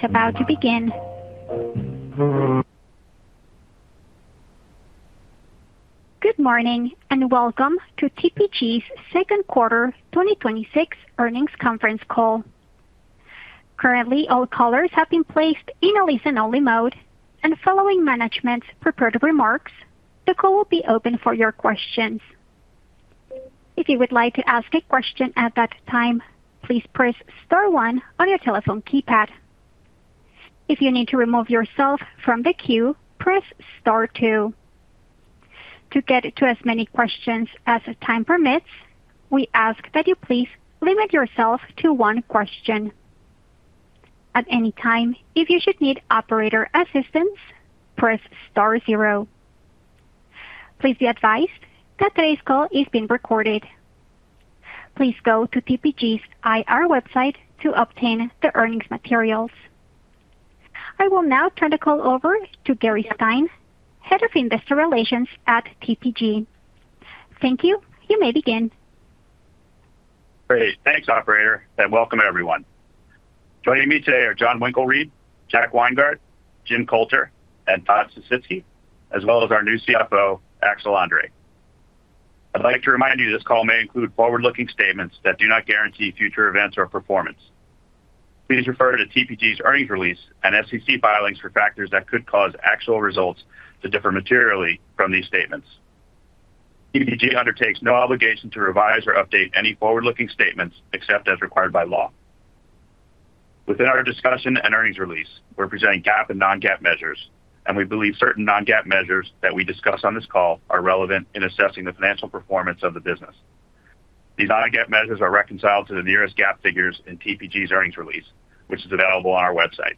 Good morning, and welcome to TPG's second quarter 2026 earnings conference call. Currently, all callers have been placed in a listen-only mode, and following management's prepared remarks, the call will be open for your questions. If you would like to ask a question at that time, please press star one on your telephone keypad. If you need to remove yourself from the queue, press star two. To get to as many questions as time permits, we ask that you please limit yourself to one question. At any time, if you should need operator assistance, press star zero. Please be advised that today's call is being recorded. Please go to TPG's IR website to obtain the earnings materials. I will now turn the call over to Gary Stein, Head of Investor Relations at TPG. Thank you. You may begin. Great. Thanks, operator, and welcome everyone. Joining me today are Jon Winkelried, Jack Weingart, Jim Coulter, and Todd Sisitsky, as well as our new Chief Financial Officer, Axel André. I'd like to remind you this call may include forward-looking statements that do not guarantee future events or performance. Please refer to TPG's earnings release and SEC filings for factors that could cause actual results to differ materially from these statements. TPG undertakes no obligation to revise or update any forward-looking statements except as required by law. Within our discussion and earnings release, we're presenting GAAP and non-GAAP measures, and we believe certain non-GAAP measures that we discuss on this call are relevant in assessing the financial performance of the business. These non-GAAP measures are reconciled to the nearest GAAP figures in TPG's earnings release, which is available on our website.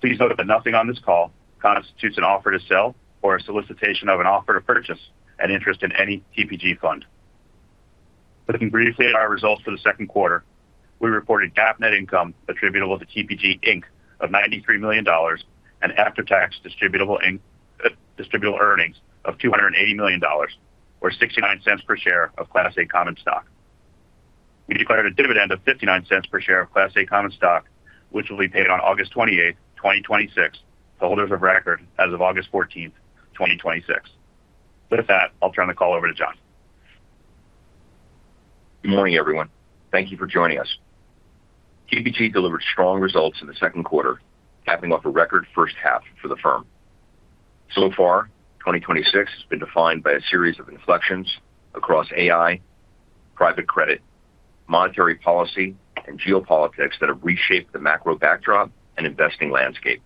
Please note that nothing on this call constitutes an offer to sell or a solicitation of an offer to purchase an interest in any TPG fund. Looking briefly at our results for the second quarter, we reported GAAP net income attributable to TPG Inc of $93 million and after-tax distributable earnings of $280 million, or $0.69 per share of Class A common stock. We declared a dividend of $0.59 per share of Class A common stock, which will be paid on August 28th, 2026, to holders of record as of August 14th, 2026. With that, I'll turn the call over to Jon. Good morning, everyone. Thank you for joining us. TPG delivered strong results in the second quarter, capping off a record first half for the firm. So far, 2026 has been defined by a series of inflections across AI, private credit, monetary policy, and geopolitics that have reshaped the macro backdrop and investing landscape.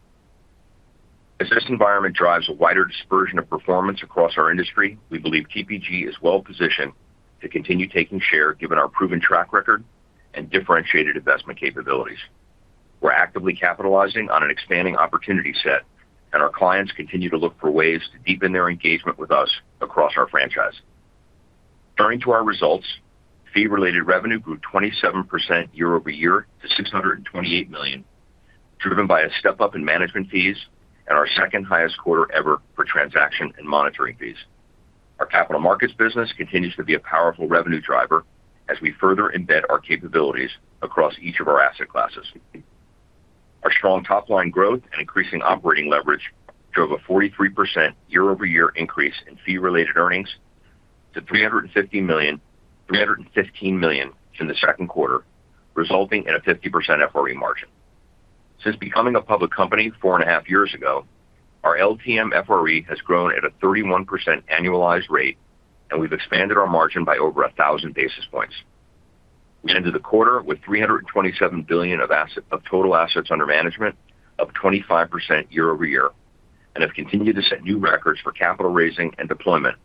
As this environment drives a wider dispersion of performance across our industry, we believe TPG is well-positioned to continue taking share given our proven track record and differentiated investment capabilities. We're actively capitalizing on an expanding opportunity set, and our clients continue to look for ways to deepen their engagement with us across our franchise. Turning to our results, fee-related revenue grew 27% year-over-year to $628 million, driven by a step-up in management fees and our second highest quarter ever for transaction and monitoring fees. Our capital markets business continues to be a powerful revenue driver as we further embed our capabilities across each of our asset classes. Our strong top-line growth and increasing operating leverage drove a 43% year-over-year increase in fee-related earnings to $315 million in the second quarter, resulting in a 50% FRE margin. Since becoming a public company four and a half years ago, our LTM FRE has grown at a 31% annualized rate, and we've expanded our margin by over 1,000 basis points. We ended the quarter with $327 billion of total assets under management, up 25% year-over-year, and have continued to set new records for capital raising and deployment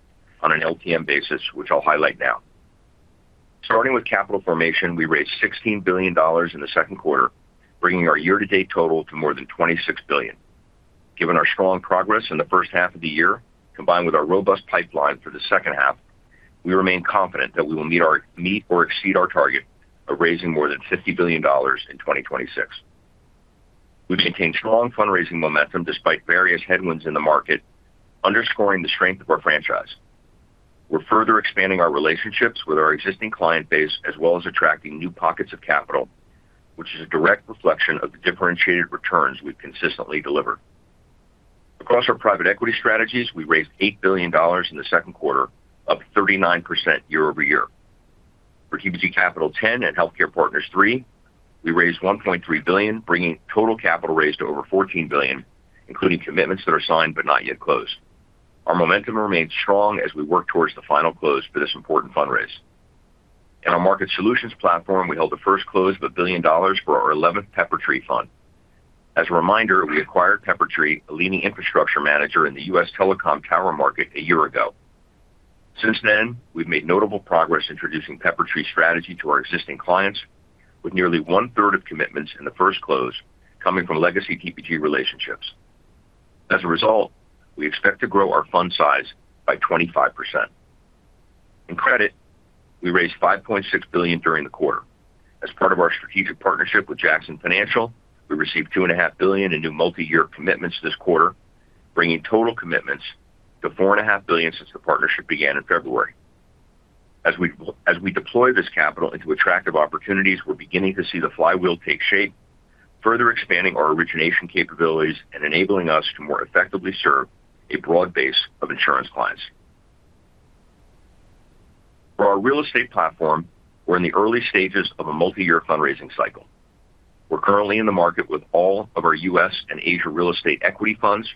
on an LTM basis, which I'll highlight now. Starting with capital formation, we raised $16 billion in the second quarter, bringing our year-to-date total to more than $26 billion. Given our strong progress in the first half of the year, combined with our robust pipeline for the second half, we remain confident that we will meet or exceed our target of raising more than $50 billion in 2026. We've maintained strong fundraising momentum despite various headwinds in the market, underscoring the strength of our franchise. We're further expanding our relationships with our existing client base as well as attracting new pockets of capital, which is a direct reflection of the differentiated returns we've consistently delivered. Across our private equity strategies, we raised $8 billion in the second quarter, up 39% year-over-year. For TPG Capital X and Healthcare Partners III, we raised $1.3 billion, bringing total capital raised to over $14 billion, including commitments that are signed but not yet closed. Our momentum remains strong as we work towards the final close for this important fundraise. In our Market Solutions platform, we held the first close of $1 billion for our 11th Peppertree fund. As a reminder, we acquired Peppertree, a leading infrastructure manager in the U.S. telecom tower market, a year ago. Since then, we've made notable progress introducing Peppertree's strategy to our existing clients, with nearly one-third of commitments in the first close coming from legacy TPG relationships. As a result, we expect to grow our fund size by 25%. In credit, we raised $5.6 billion during the quarter. As part of our strategic partnership with Jackson Financial, we received $2.5 billion in new multi-year commitments this quarter, bringing total commitments to $4.5 billion since the partnership began in February. As we deploy this capital into attractive opportunities, we're beginning to see the flywheel take shape, further expanding our origination capabilities and enabling us to more effectively serve a broad base of insurance clients. For our real estate platform, we're in the early stages of a multi-year fundraising cycle. We're currently in the market with all of our U.S. and Asia real estate equity funds,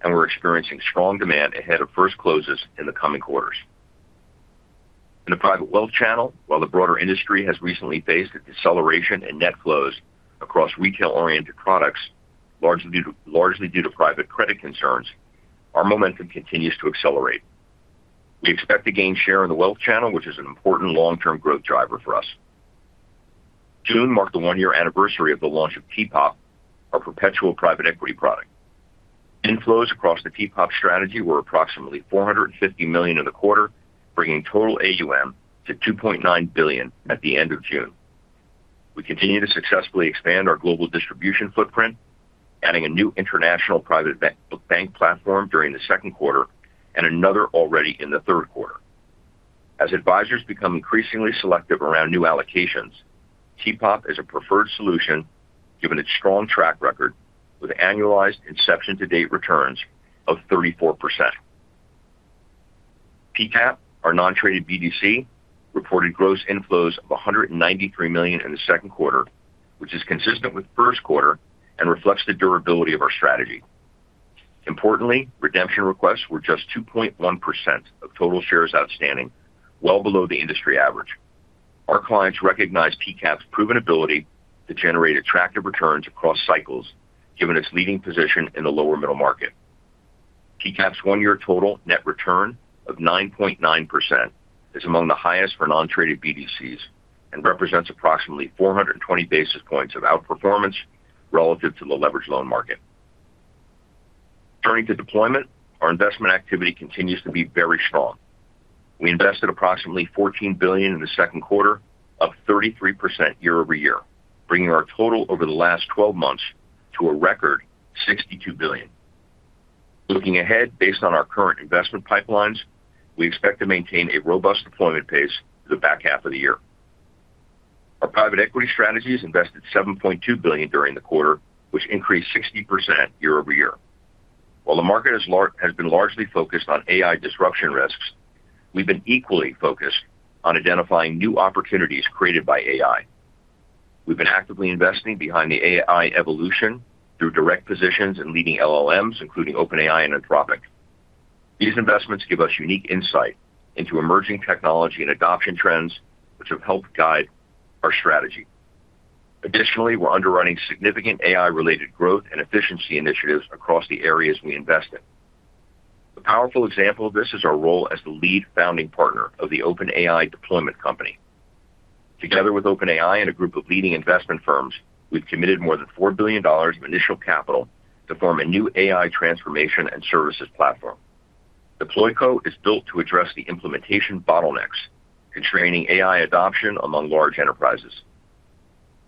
and we're experiencing strong demand ahead of first closes in the coming quarters. In the private wealth channel, while the broader industry has recently faced a deceleration in net flows across retail-oriented products, largely due to private credit concerns, our momentum continues to accelerate. We expect to gain share in the wealth channel, which is an important long-term growth driver for us. June marked the one-year anniversary of the launch of TPOP, our perpetual private equity product. Inflows across the TPOP strategy were approximately $450 million in the quarter, bringing total AUM to $2.9 billion at the end of June. We continue to successfully expand our global distribution footprint, adding a new international private bank platform during the second quarter, and another already in the third quarter. As advisors become increasingly selective around new allocations, TPOP is a preferred solution given its strong track record with annualized inception to date returns of 34%. TCAP, our non-traded BDC, reported gross inflows of $193 million in the second quarter, which is consistent with the first quarter and reflects the durability of our strategy. Importantly, redemption requests were just 2.1% of total shares outstanding, well below the industry average. Our clients recognize TCAP's proven ability to generate attractive returns across cycles, given its leading position in the lower middle market. TCAP's one-year total net return of 9.9% is among the highest for non-traded BDCs and represents approximately 420 basis points of outperformance relative to the leverage loan market. Turning to deployment, our investment activity continues to be very strong. We invested approximately $14 billion in the second quarter, up 33% year-over-year, bringing our total over the last 12 months to a record $62 billion. Looking ahead, based on our current investment pipelines, we expect to maintain a robust deployment pace through the back half of the year. Our private equity strategies invested $7.2 billion during the quarter, which increased 60% year-over-year. While the market has been largely focused on AI disruption risks, we've been equally focused on identifying new opportunities created by AI. We've been actively investing behind the AI evolution through direct positions in leading LLMs, including OpenAI and Anthropic. These investments give us unique insight into emerging technology and adoption trends, which have helped guide our strategy. Additionally, we're underwriting significant AI-related growth and efficiency initiatives across the areas we invest in. A powerful example of this is our role as the lead founding partner of the OpenAI deployment company. Together with OpenAI and a group of leading investment firms, we've committed more than $4 billion of initial capital to form a new AI transformation and services platform. DeployCo is built to address the implementation bottlenecks constraining AI adoption among large enterprises.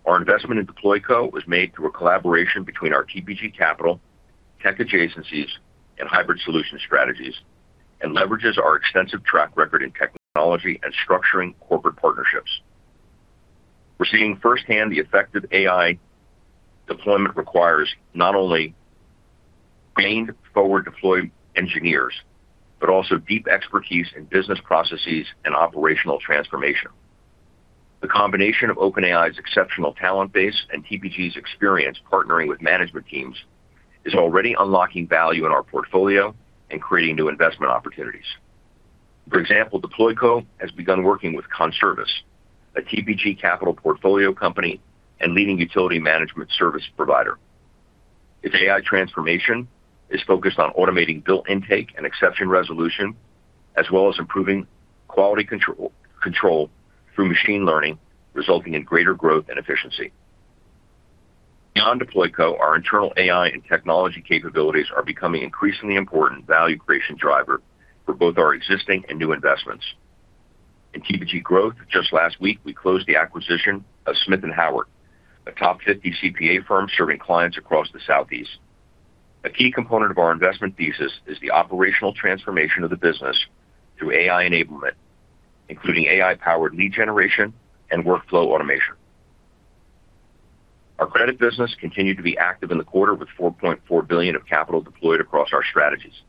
Our investment in DeployCo was made through a collaboration between our TPG Capital, Tech Adjacencies, and hybrid solution strategies, and leverages our extensive track record in technology and structuring corporate partnerships. We're seeing firsthand the effect that AI deployment requires not only trained forward deploy engineers, but also deep expertise in business processes and operational transformation. The combination of OpenAI's exceptional talent base and TPG's experience partnering with management teams is already unlocking value in our portfolio and creating new investment opportunities. For example, DeployCo has begun working with Conservice, a TPG Capital portfolio company and leading utility management service provider. Its AI transformation is focused on automating bill intake and exception resolution, as well as improving quality control through machine learning, resulting in greater growth and efficiency. Beyond DeployCo, our internal AI and technology capabilities are becoming an increasingly important value creation driver for both our existing and new investments. In TPG Growth, just last week, we closed the acquisition of Smith and Howard, a top 50 CPA firm serving clients across the Southeast. A key component of our investment thesis is the operational transformation of the business through AI enablement, including AI-powered lead generation and workflow automation. Our credit business continued to be active in the quarter with $4.4 billion of capital deployed across our strategies.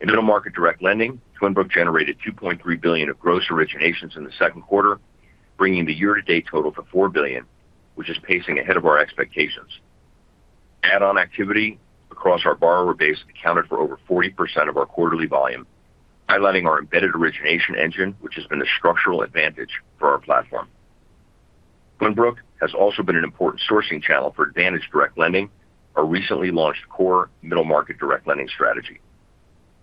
In middle market direct lending, Twin Brook generated $2.3 billion of gross originations in the second quarter, bringing the year-to-date total to $4 billion, which is pacing ahead of our expectations. Add-on activity across our borrower base accounted for over 40% of our quarterly volume, highlighting our embedded origination engine, which has been a structural advantage for our platform. Twin Brook has also been an important sourcing channel for Advantage Direct Lending, our recently launched core middle market direct lending strategy.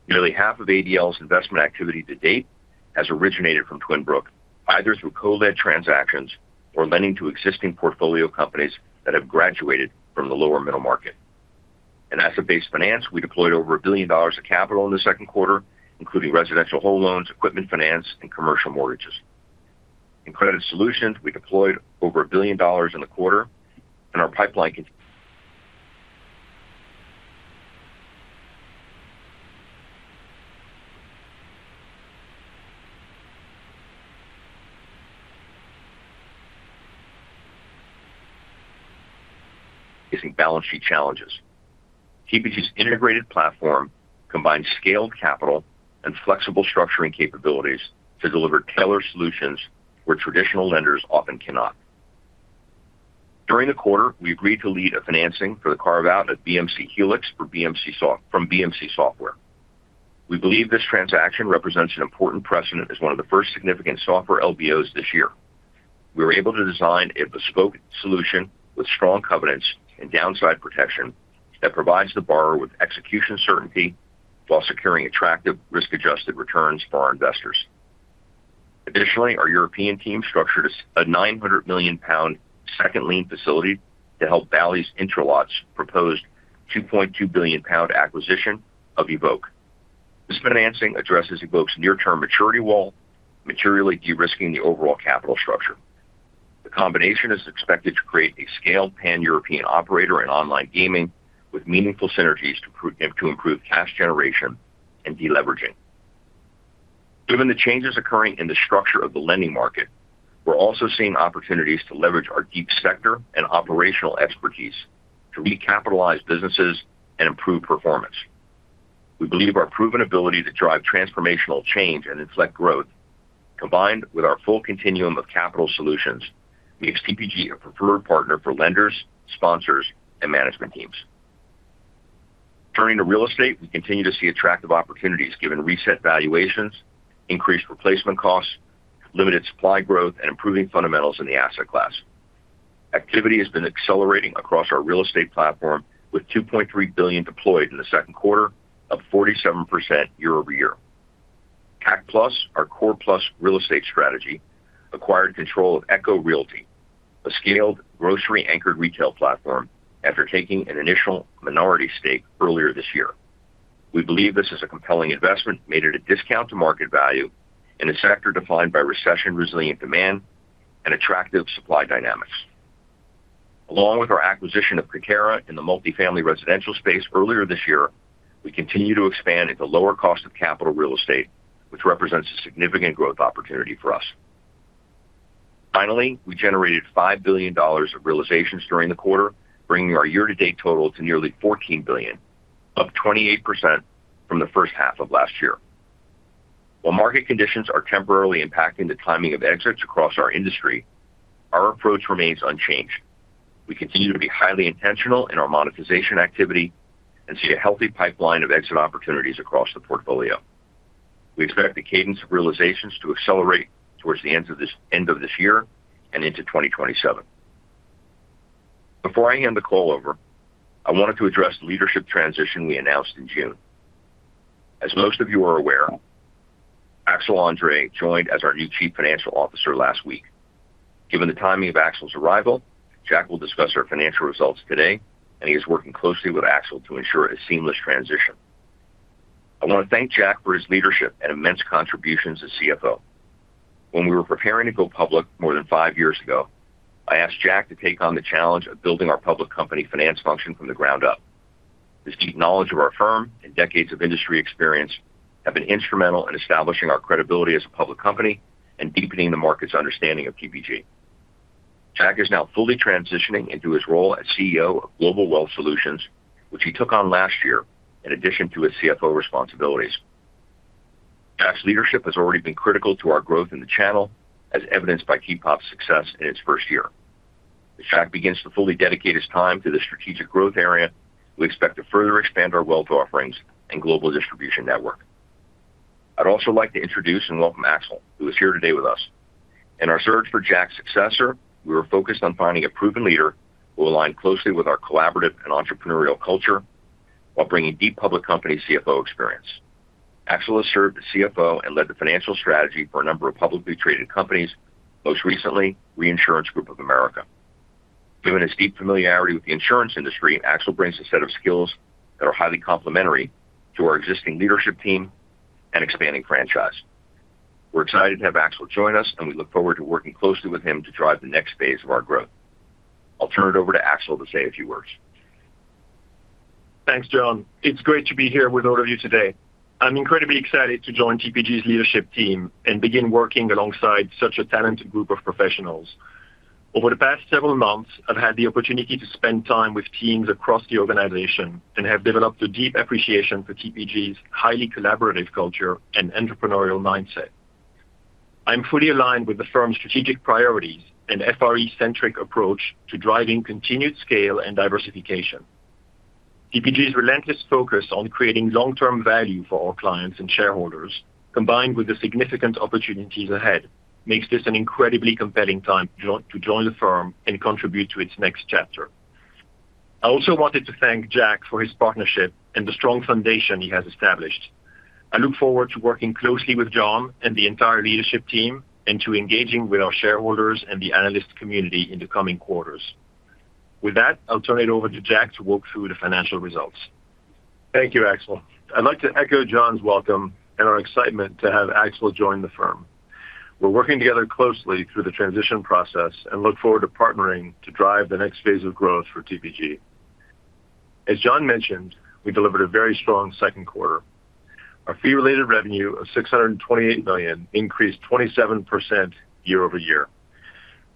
Nearly half of ADL's investment activity to date has originated from Twin Brook, either through co-led transactions or lending to existing portfolio companies that have graduated from the lower middle market. In asset-based finance, we deployed over $1 billion of capital in the second quarter, including residential home loans, equipment finance, and commercial mortgages. In credit solutions, we deployed over $1 billion in the quarter, and our pipeline balancing balance sheet challenges. TPG's integrated platform combines scaled capital and flexible structuring capabilities to deliver tailored solutions where traditional lenders often cannot. During the quarter, we agreed to lead a financing for the carve-out of BMC Helix from BMC Software. We believe this transaction represents an important precedent as one of the first significant software LBOs this year. We were able to design a bespoke solution with strong covenants and downside protection that provides the borrower with execution certainty while securing attractive risk-adjusted returns for our investors. Additionally, our European team structured a 900 million pound second lien facility to help Bally's Intralot's proposed 2.2 billion pound acquisition of evoke. This financing addresses evoke's near-term maturity wall, materially de-risking the overall capital structure. The combination is expected to create a scaled pan-European operator in online gaming with meaningful synergies to improve cash generation and de-leveraging. Given the changes occurring in the structure of the lending market, we're also seeing opportunities to leverage our deep sector and operational expertise to recapitalize businesses and improve performance. We believe our proven ability to drive transformational change and inflect growth, combined with our full continuum of capital solutions, makes TPG a preferred partner for lenders, sponsors, and management teams. Turning to real estate, we continue to see attractive opportunities given reset valuations, increased replacement costs, limited supply growth, and improving fundamentals in the asset class. Activity has been accelerating across our real estate platform, with $2.3 billion deployed in the second quarter, up 47% year-over-year. CAC Plus, our core plus real estate strategy, acquired control of ECHO Realty, a scaled grocery-anchored retail platform, after taking an initial minority stake earlier this year. We believe this is a compelling investment made at a discount to market value in a sector defined by recession-resilient demand and attractive supply dynamics. Along with our acquisition of Quarterra in the multifamily residential space earlier this year, we continue to expand into lower cost of capital real estate, which represents a significant growth opportunity for us. Finally, we generated $5 billion of realizations during the quarter, bringing our year-to-date total to nearly $14 billion, up 28% from the first half of last year. While market conditions are temporarily impacting the timing of exits across our industry, our approach remains unchanged. We continue to be highly intentional in our monetization activity and see a healthy pipeline of exit opportunities across the portfolio. We expect the cadence of realizations to accelerate towards the end of this year and into 2027. Before I hand the call over, I wanted to address the leadership transition we announced in June. As most of you are aware, Axel André joined as our new Chief Financial Officer last week. Given the timing of Axel's arrival, Jack will discuss our financial results today, and he is working closely with Axel to ensure a seamless transition. I want to thank Jack for his leadership and immense contributions as CFO. When we were preparing to go public more than five years ago, I asked Jack to take on the challenge of building our public company finance function from the ground up. His deep knowledge of our firm and decades of industry experience have been instrumental in establishing our credibility as a public company and deepening the market's understanding of TPG. Jack is now fully transitioning into his role as CEO of Global Wealth Solutions, which he took on last year in addition to his CFO responsibilities. Jack's leadership has already been critical to our growth in the channel, as evidenced by T-POP's success in its first year. As Jack begins to fully dedicate his time to this strategic growth area, we expect to further expand our wealth offerings and global distribution network. I'd also like to introduce and welcome Axel, who is here today with us. In our search for Jack's successor, we were focused on finding a proven leader who will align closely with our collaborative and entrepreneurial culture while bringing deep public company CFO experience. Axel has served as CFO and led the financial strategy for a number of publicly traded companies, most recently Reinsurance Group of America. Given his deep familiarity with the insurance industry, Axel brings a set of skills that are highly complementary to our existing leadership team and expanding franchise. We're excited to have Axel join us, and we look forward to working closely with him to drive the next phase of our growth. I'll turn it over to Axel to say a few words. Thanks, Jon. It's great to be here with all of you today. I'm incredibly excited to join TPG's leadership team and begin working alongside such a talented group of professionals. Over the past several months, I've had the opportunity to spend time with teams across the organization and have developed a deep appreciation for TPG's highly collaborative culture and entrepreneurial mindset. I'm fully aligned with the firm's strategic priorities and FRE-centric approach to driving continued scale and diversification. TPG's relentless focus on creating long-term value for our clients and shareholders, combined with the significant opportunities ahead, makes this an incredibly compelling time to join the firm and contribute to its next chapter. I also wanted to thank Jack for his partnership and the strong foundation he has established. I look forward to working closely with Jon and the entire leadership team and to engaging with our shareholders and the analyst community in the coming quarters. With that, I'll turn it over to Jack to walk through the financial results. Thank you, Axel. I'd like to echo Jon's welcome and our excitement to have Axel join the firm. We're working together closely through the transition process and look forward to partnering to drive the next phase of growth for TPG. As Jon mentioned, we delivered a very strong second quarter. Our fee-related revenue of $628 million increased 27% year-over-year,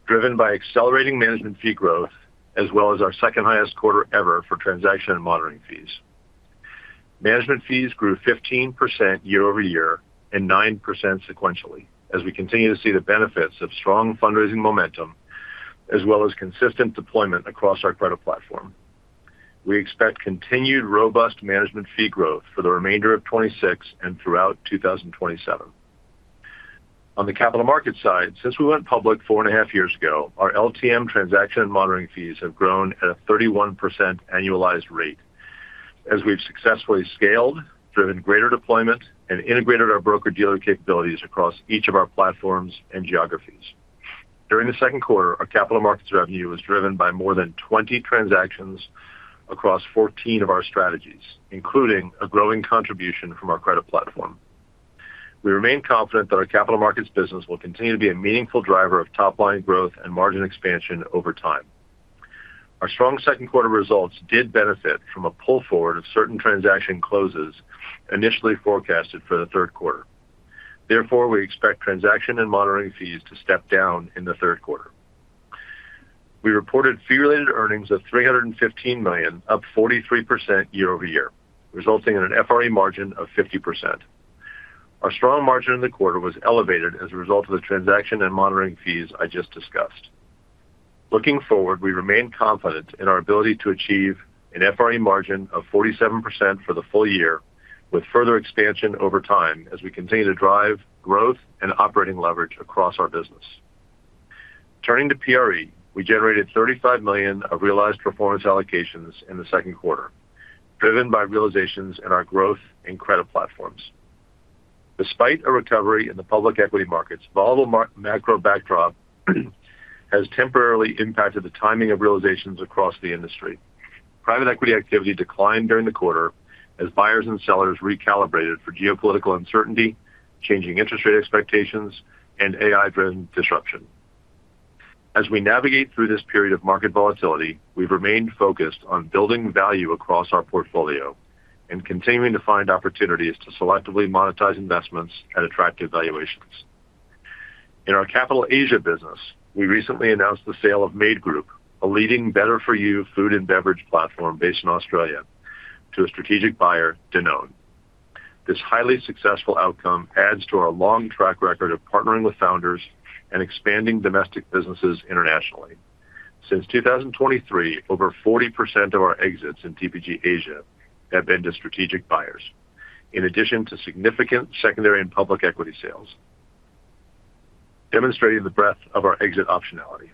driven by accelerating management fee growth as well as our second highest quarter ever for transaction and monitoring fees. Management fees grew 15% year-over-year and 9% sequentially as we continue to see the benefits of strong fundraising momentum as well as consistent deployment across our credit platform. We expect continued robust management fee growth for the remainder of 2026 and throughout 2027. On the capital markets side, since we went public four and a half years ago, our LTM transaction and monitoring fees have grown at a 31% annualized rate as we've successfully scaled, driven greater deployment, and integrated our broker-dealer capabilities across each of our platforms and geographies. During the second quarter, our capital markets revenue was driven by more than 20 transactions across 14 of our strategies, including a growing contribution from our credit platform. We remain confident that our capital markets business will continue to be a meaningful driver of top-line growth and margin expansion over time. Our strong second quarter results did benefit from a pull forward of certain transaction closes initially forecasted for the third quarter. We expect transaction and monitoring fees to step down in the third quarter. We reported fee-related earnings of $315 million, up 43% year-over-year, resulting in an FRE margin of 50%. Our strong margin in the quarter was elevated as a result of the transaction and monitoring fees I just discussed. Looking forward, we remain confident in our ability to achieve an FRE margin of 47% for the full year, with further expansion over time as we continue to drive growth and operating leverage across our business. Turning to PRE, we generated $35 million of realized performance allocations in the second quarter, driven by realizations in our growth and credit platforms. Despite a recovery in the public equity markets, volatile macro backdrop has temporarily impacted the timing of realizations across the industry. Private equity activity declined during the quarter as buyers and sellers recalibrated for geopolitical uncertainty, changing interest rate expectations, and AI-driven disruption. As we navigate through this period of market volatility, we've remained focused on building value across our portfolio and continuing to find opportunities to selectively monetize investments at attractive valuations. In our Capital Asia business, we recently announced the sale of MADE Group, a leading better-for-you food and beverage platform based in Australia, to a strategic buyer, Danone. This highly successful outcome adds to our long track record of partnering with founders and expanding domestic businesses internationally. Since 2023, over 40% of our exits in TPG Asia have been to strategic buyers, in addition to significant secondary and public equity sales, demonstrating the breadth of our exit optionality.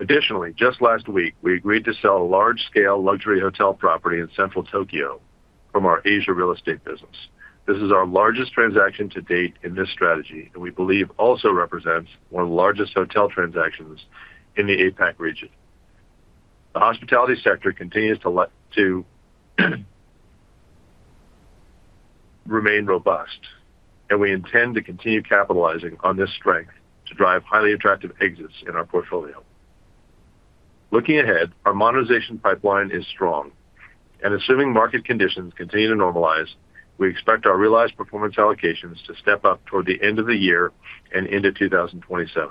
Additionally, just last week, we agreed to sell a large-scale luxury hotel property in central Tokyo from our Asia real estate business. This is our largest transaction to date in this strategy, and we believe also represents one of the largest hotel transactions in the APAC region. The hospitality sector continues to remain robust, and we intend to continue capitalizing on this strength to drive highly attractive exits in our portfolio. Looking ahead, our monetization pipeline is strong. Assuming market conditions continue to normalize, we expect our realized performance allocations to step up toward the end of the year and into 2027.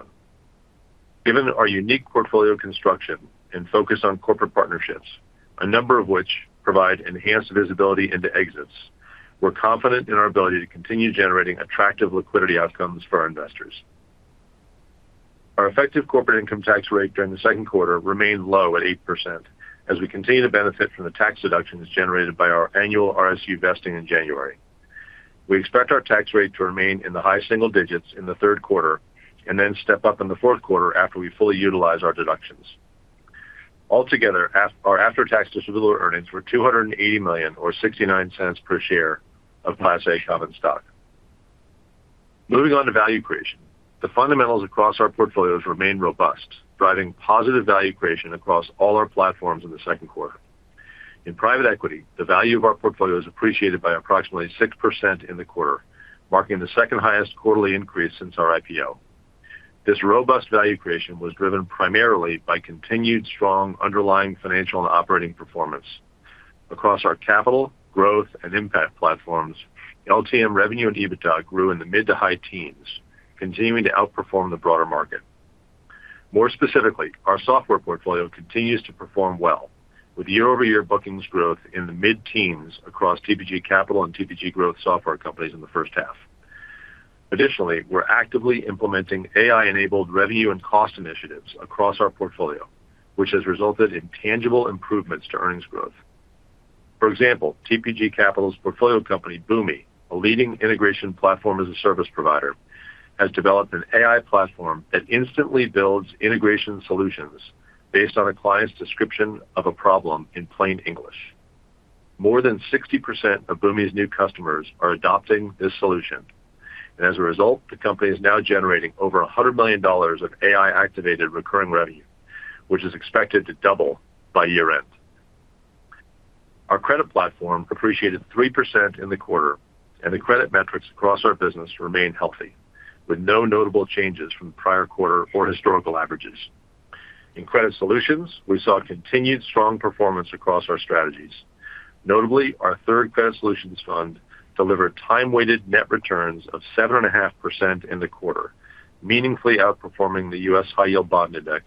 Given our unique portfolio construction and focus on corporate partnerships, a number of which provide enhanced visibility into exits, we're confident in our ability to continue generating attractive liquidity outcomes for our investors. Our effective corporate income tax rate during the second quarter remained low at 8% as we continue to benefit from the tax deductions generated by our annual RSU vesting in January. We expect our tax rate to remain in the high single digits in the third quarter and then step up in the fourth quarter after we fully utilize our deductions. Altogether, our after-tax distributable earnings were $280 million or $0.69 per share of Class A common stock. Moving on to value creation. The fundamentals across our portfolios remain robust, driving positive value creation across all our platforms in the second quarter. In private equity, the value of our portfolio is appreciated by approximately 6% in the quarter, marking the second highest quarterly increase since our IPO. This robust value creation was driven primarily by continued strong underlying financial and operating performance. Across our Capital, Growth, and Impact platforms, LTM revenue and EBITDA grew in the mid-to-high teens, continuing to outperform the broader market. More specifically, our software portfolio continues to perform well with year-over-year bookings growth in the mid teens across TPG Capital and TPG Growth software companies in the first half. Additionally, we're actively implementing AI-enabled revenue and cost initiatives across our portfolio, which has resulted in tangible improvements to earnings growth. For example, TPG Capital's portfolio company, Boomi, a leading integration platform as a service provider, has developed an AI platform that instantly builds integration solutions based on a client's description of a problem in plain English. More than 60% of Boomi's new customers are adopting this solution. As a result, the company is now generating over $100 million of AI-activated recurring revenue, which is expected to double by year-end. Our credit platform appreciated 3% in the quarter. The credit metrics across our business remain healthy with no notable changes from the prior quarter or historical averages. In credit solutions, we saw continued strong performance across our strategies. Notably, our third credit solutions fund delivered time-weighted net returns of 7.5% in the quarter, meaningfully outperforming the U.S. High Yield Bond Index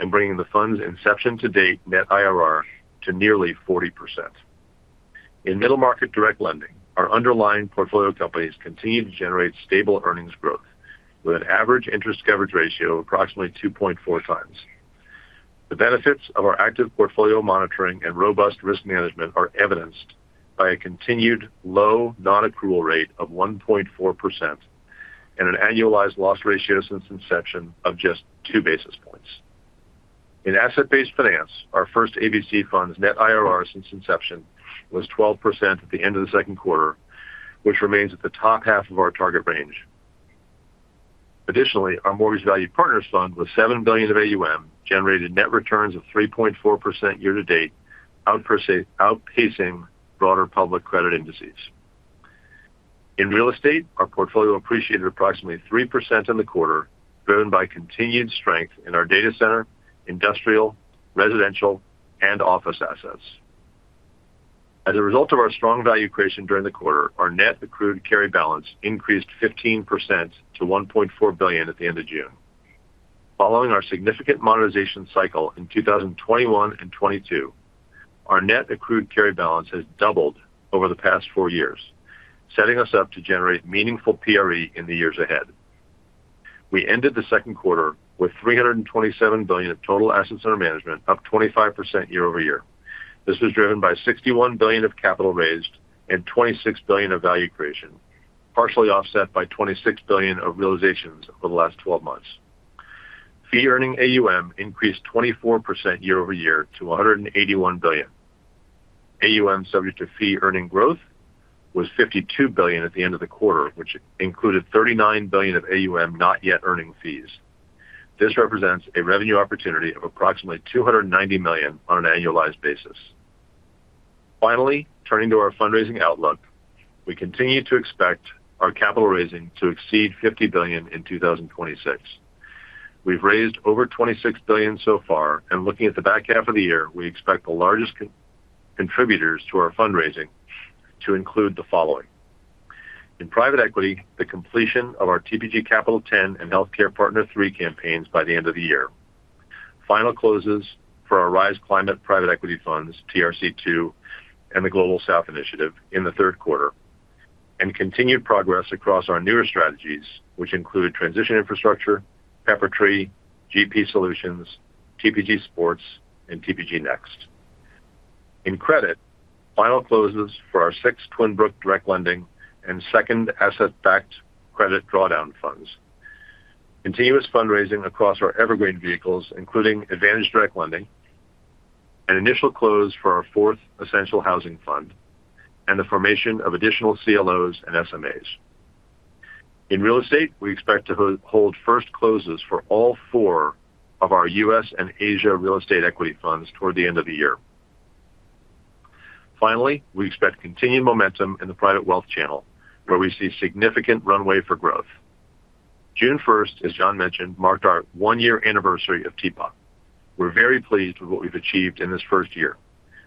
and bringing the fund's inception to date net IRR to nearly 40%. In middle market direct lending, our underlying portfolio companies continue to generate stable earnings growth with an average interest coverage ratio of approximately 2.4 times. The benefits of our active portfolio monitoring and robust risk management are evidenced by a continued low non-accrual rate of 1.4% and an annualized loss ratio since inception of just two basis points. In asset-based finance, our first ABF fund's net IRR since inception was 12% at the end of the second quarter, which remains at the top half of our target range. Additionally, our mortgage value partners fund, with $7 billion of AUM, generated net returns of 3.4% year to date, outpacing broader public credit indices. In real estate, our portfolio appreciated approximately 3% in the quarter, driven by continued strength in our data center, industrial, residential, and office assets. As a result of our strong value creation during the quarter, our net accrued carry balance increased 15% to $1.4 billion at the end of June. Following our significant monetization cycle in 2021 and 2022, our net accrued carry balance has doubled over the past four years, setting us up to generate meaningful PRE in the years ahead. We ended the second quarter with $327 billion of total assets under management, up 25% year-over-year. This was driven by $61 billion of capital raised and $26 billion of value creation, partially offset by $26 billion of realizations over the last 12 months. Fee-earning AUM increased 24% year-over-year to $181 billion. AUM subject to fee earning growth was $52 billion at the end of the quarter, which included $39 billion of AUM not yet earning fees. This represents a revenue opportunity of approximately $290 million on an annualized basis. Finally, turning to our fundraising outlook, we continue to expect our capital raising to exceed $50 billion in 2026. We've raised over $26 billion so far. Looking at the back half of the year, we expect the largest contributors to our fundraising to include the following. In private equity, the completion of our TPG Capital X and Healthcare Partners III campaigns by the end of the year, final closes for our Rise Climate private equity funds, TRC2, and the Global South Initiative in the third quarter, and continued progress across our newer strategies, which include transition infrastructure, Peppertree, GP Solutions, TPG Sports, and TPG Next. In credit, final closes for our sixth Twin Brook direct lending and second ABF credit drawdown funds, continuous fundraising across our evergreen vehicles, including Advantage Direct Lending, an initial close for our fourth essential housing fund, and the formation of additional CLOs and SMAs. In real estate, we expect to hold first closes for all four of our U.S. and Asia real estate equity funds toward the end of the year. Finally, we expect continued momentum in the private wealth channel, where we see significant runway for growth. June 1st, as Jon mentioned, marked our one-year anniversary of T-POP. We are very pleased with what we have achieved in this first year.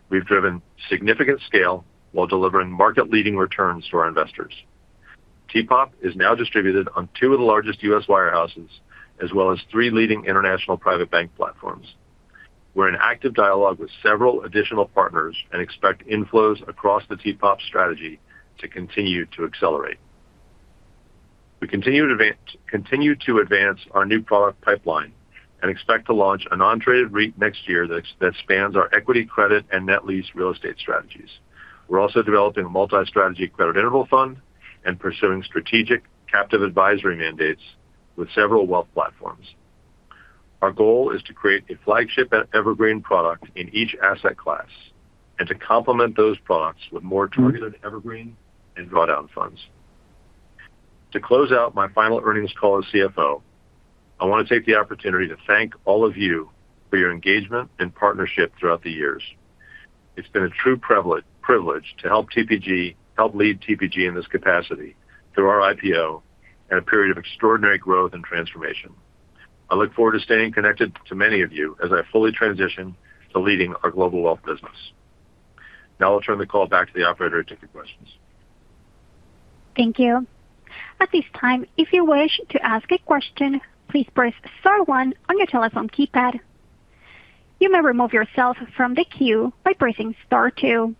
We have driven significant scale while delivering market-leading returns to our investors. T-POP is now distributed on two of the largest U.S. wirehouses, as well as three leading international private bank platforms. We are in active dialogue with several additional partners and expect inflows across the T-POP strategy to continue to accelerate. We continue to advance our new product pipeline and expect to launch an untraded REIT next year that spans our equity credit and net lease real estate strategies. We are also developing a multi-strategy credit interval fund and pursuing strategic captive advisory mandates with several wealth platforms. Our goal is to create a flagship evergreen product in each asset class and to complement those products with more targeted evergreen and drawdown funds. To close out my final earnings call as CFO, I want to take the opportunity to thank all of you for your engagement and partnership throughout the years. It has been a true privilege to help lead TPG in this capacity through our IPO and a period of extraordinary growth and transformation. I look forward to staying connected to many of you as I fully transition to leading our Global Wealth business. Now I will turn the call back to the operator to take your questions. Thank you. At this time, if you wish to ask a question, please press star one on your telephone keypad. You may remove yourself from the queue by pressing star two.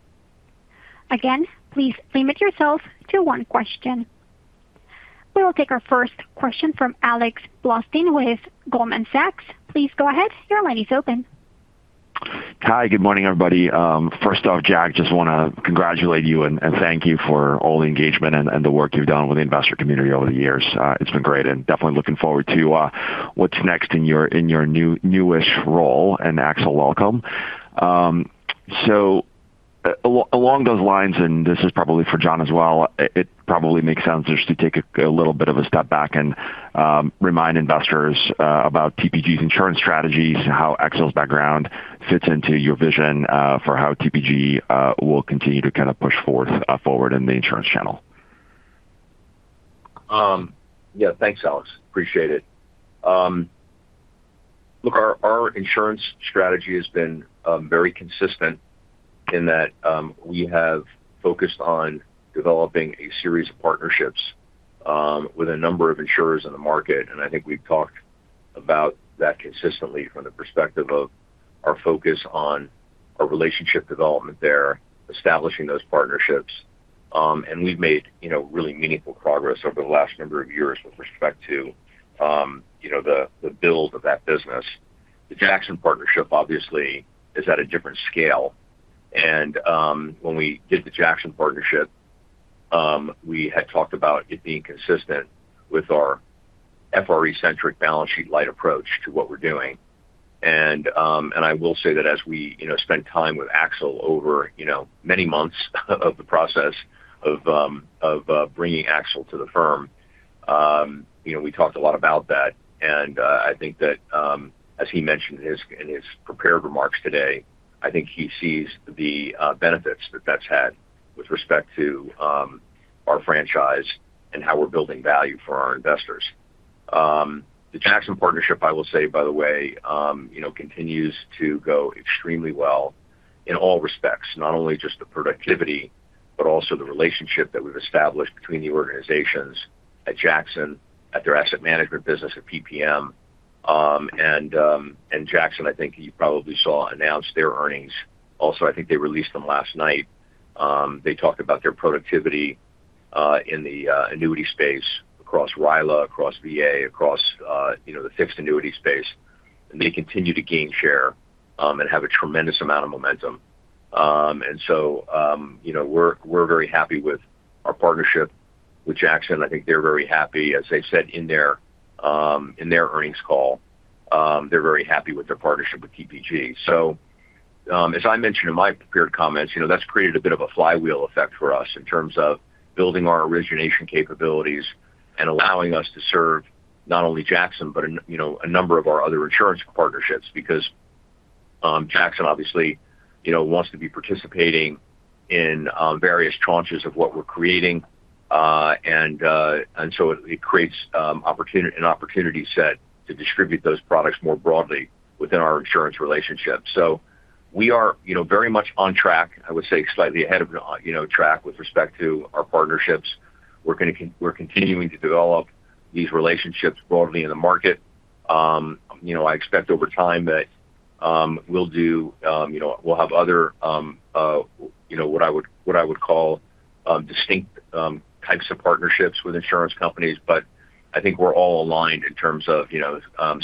Again, please limit yourself to one question. We will take our first question from Alex Blostein with Goldman Sachs. Please go ahead. Your line is open. Hi. Good morning, everybody. First off, Jack, just want to congratulate you and thank you for all the engagement and the work you've done with the investor community over the years. It's been great, and definitely looking forward to what's next in your newish role. Axel, welcome. Along those lines, this is probably for Jon as well, it probably makes sense just to take a little bit of a step back and remind investors about TPG's insurance strategies and how Axel's background fits into your vision for how TPG will continue to push forward in the insurance channel. Yeah. Thanks, Alex. Appreciate it. Look, our insurance strategy has been very consistent in that we have focused on developing a series of partnerships With a number of insurers in the market. I think we've talked about that consistently from the perspective of our focus on our relationship development there, establishing those partnerships. We've made really meaningful progress over the last number of years with respect to the build of that business. The Jackson partnership obviously is at a different scale. When we did the Jackson partnership, we had talked about it being consistent with our FRE-centric, balance sheet light approach to what we're doing. I will say that as we spend time with Axel over many months of the process of bringing Axel to the firm, we talked a lot about that. I think that, as he mentioned in his prepared remarks today, I think he sees the benefits that that's had with respect to our franchise and how we're building value for our investors. The Jackson partnership, I will say, by the way continues to go extremely well in all respects, not only just the productivity, but also the relationship that we have established between the organizations at Jackson, at their asset management business at PPM. Jackson, I think you probably saw, announced their earnings also, I think they released them last night. They talked about their productivity in the annuity space across RILA, across VA, across the fixed annuity space. They continue to gain share, and have a tremendous amount of momentum. We're very happy with our partnership with Jackson. I think they're very happy, as they said in their earnings call. They're very happy with their partnership with TPG. As I mentioned in my prepared comments, that's created a bit of a flywheel effect for us in terms of building our origination capabilities and allowing us to serve not only Jackson, but a number of our other insurance partnerships because Jackson obviously wants to be participating in various tranches of what we're creating. It creates an opportunity set to distribute those products more broadly within our insurance relationship. We are very much on track, I would say slightly ahead of track with respect to our partnerships. We're continuing to develop these relationships broadly in the market. I expect over time that we'll have other what I would call distinct types of partnerships with insurance companies, but I think we're all aligned in terms of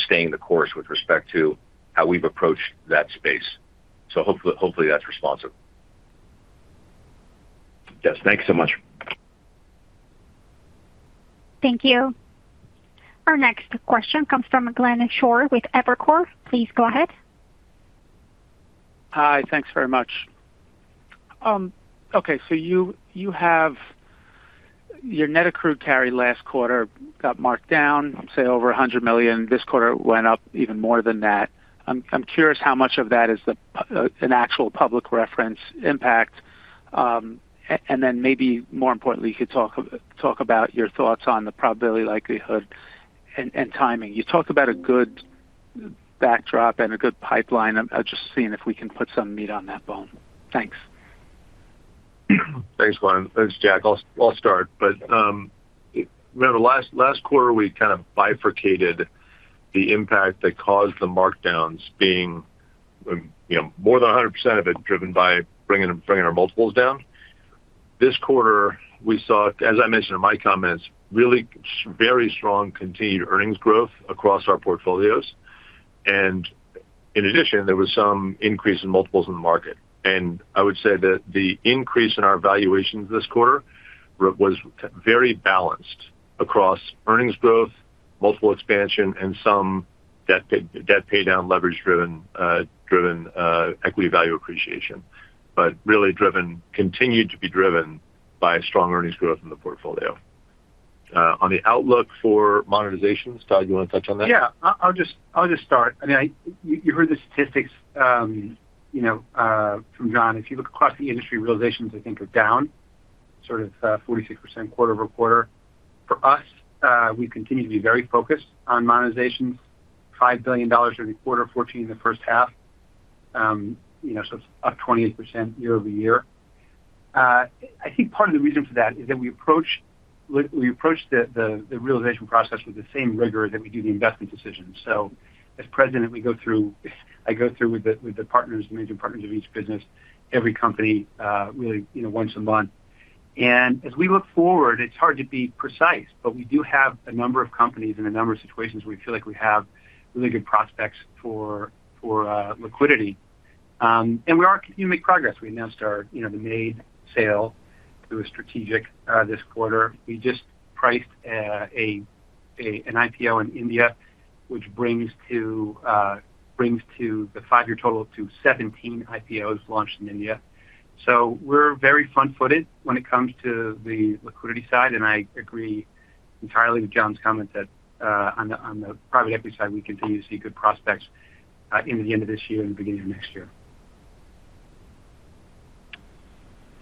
staying the course with respect to how we've approached that space. Hopefully that's responsive. Yes. Thanks so much. Thank you. Our next question comes from Glenn Schorr with Evercore. Please go ahead. Hi. Thanks very much. Your net accrued carry last quarter got marked down, say, over $100 million. This quarter it went up even more than that. I'm curious how much of that is an actual public reference impact. Maybe more importantly, you could talk about your thoughts on the probability, likelihood, and timing. You talked about a good backdrop and a good pipeline. I'm just seeing if we can put some meat on that bone. Thanks. Thanks, Glenn. It's Jack. I'll start. Remember last quarter, we kind of bifurcated the impact that caused the markdowns being more than 100% of it driven by bringing our multiples down. This quarter, we saw, as I mentioned in my comments, really very strong continued earnings growth across our portfolios. In addition, there was some increase in multiples in the market. I would say that the increase in our valuations this quarter was very balanced across earnings growth, multiple expansion, and some debt pay down, leverage-driven equity value appreciation. Really continued to be driven by strong earnings growth in the portfolio. On the outlook for monetizations, Todd, you want to touch on that? Yeah. I'll just start. You heard the statistics from Jon. If you look across the industry, realizations, I think are down sort of 46% quarter-over-quarter. For us, we continue to be very focused on monetizations, $5 billion every quarter, $14 billion in the first half. It's up 28% year-over-year. I think part of the reason for that is that we approach the realization process with the same rigor that we do the investment decisions. As president, I go through with the partners, major partners of each business, every company really once a month. As we look forward, it's hard to be precise, but we do have a number of companies and a number of situations where we feel like we have really good prospects for liquidity. We are continuing to make progress. We announced our, the MADE sale through a strategic this quarter. We just priced an IPO in India, which brings the five-year total to 17 IPOs launched in India. We're very fun-footed when it comes to the liquidity side, and I agree entirely with Jon's comment that on the private equity side, we continue to see good prospects into the end of this year and the beginning of next year.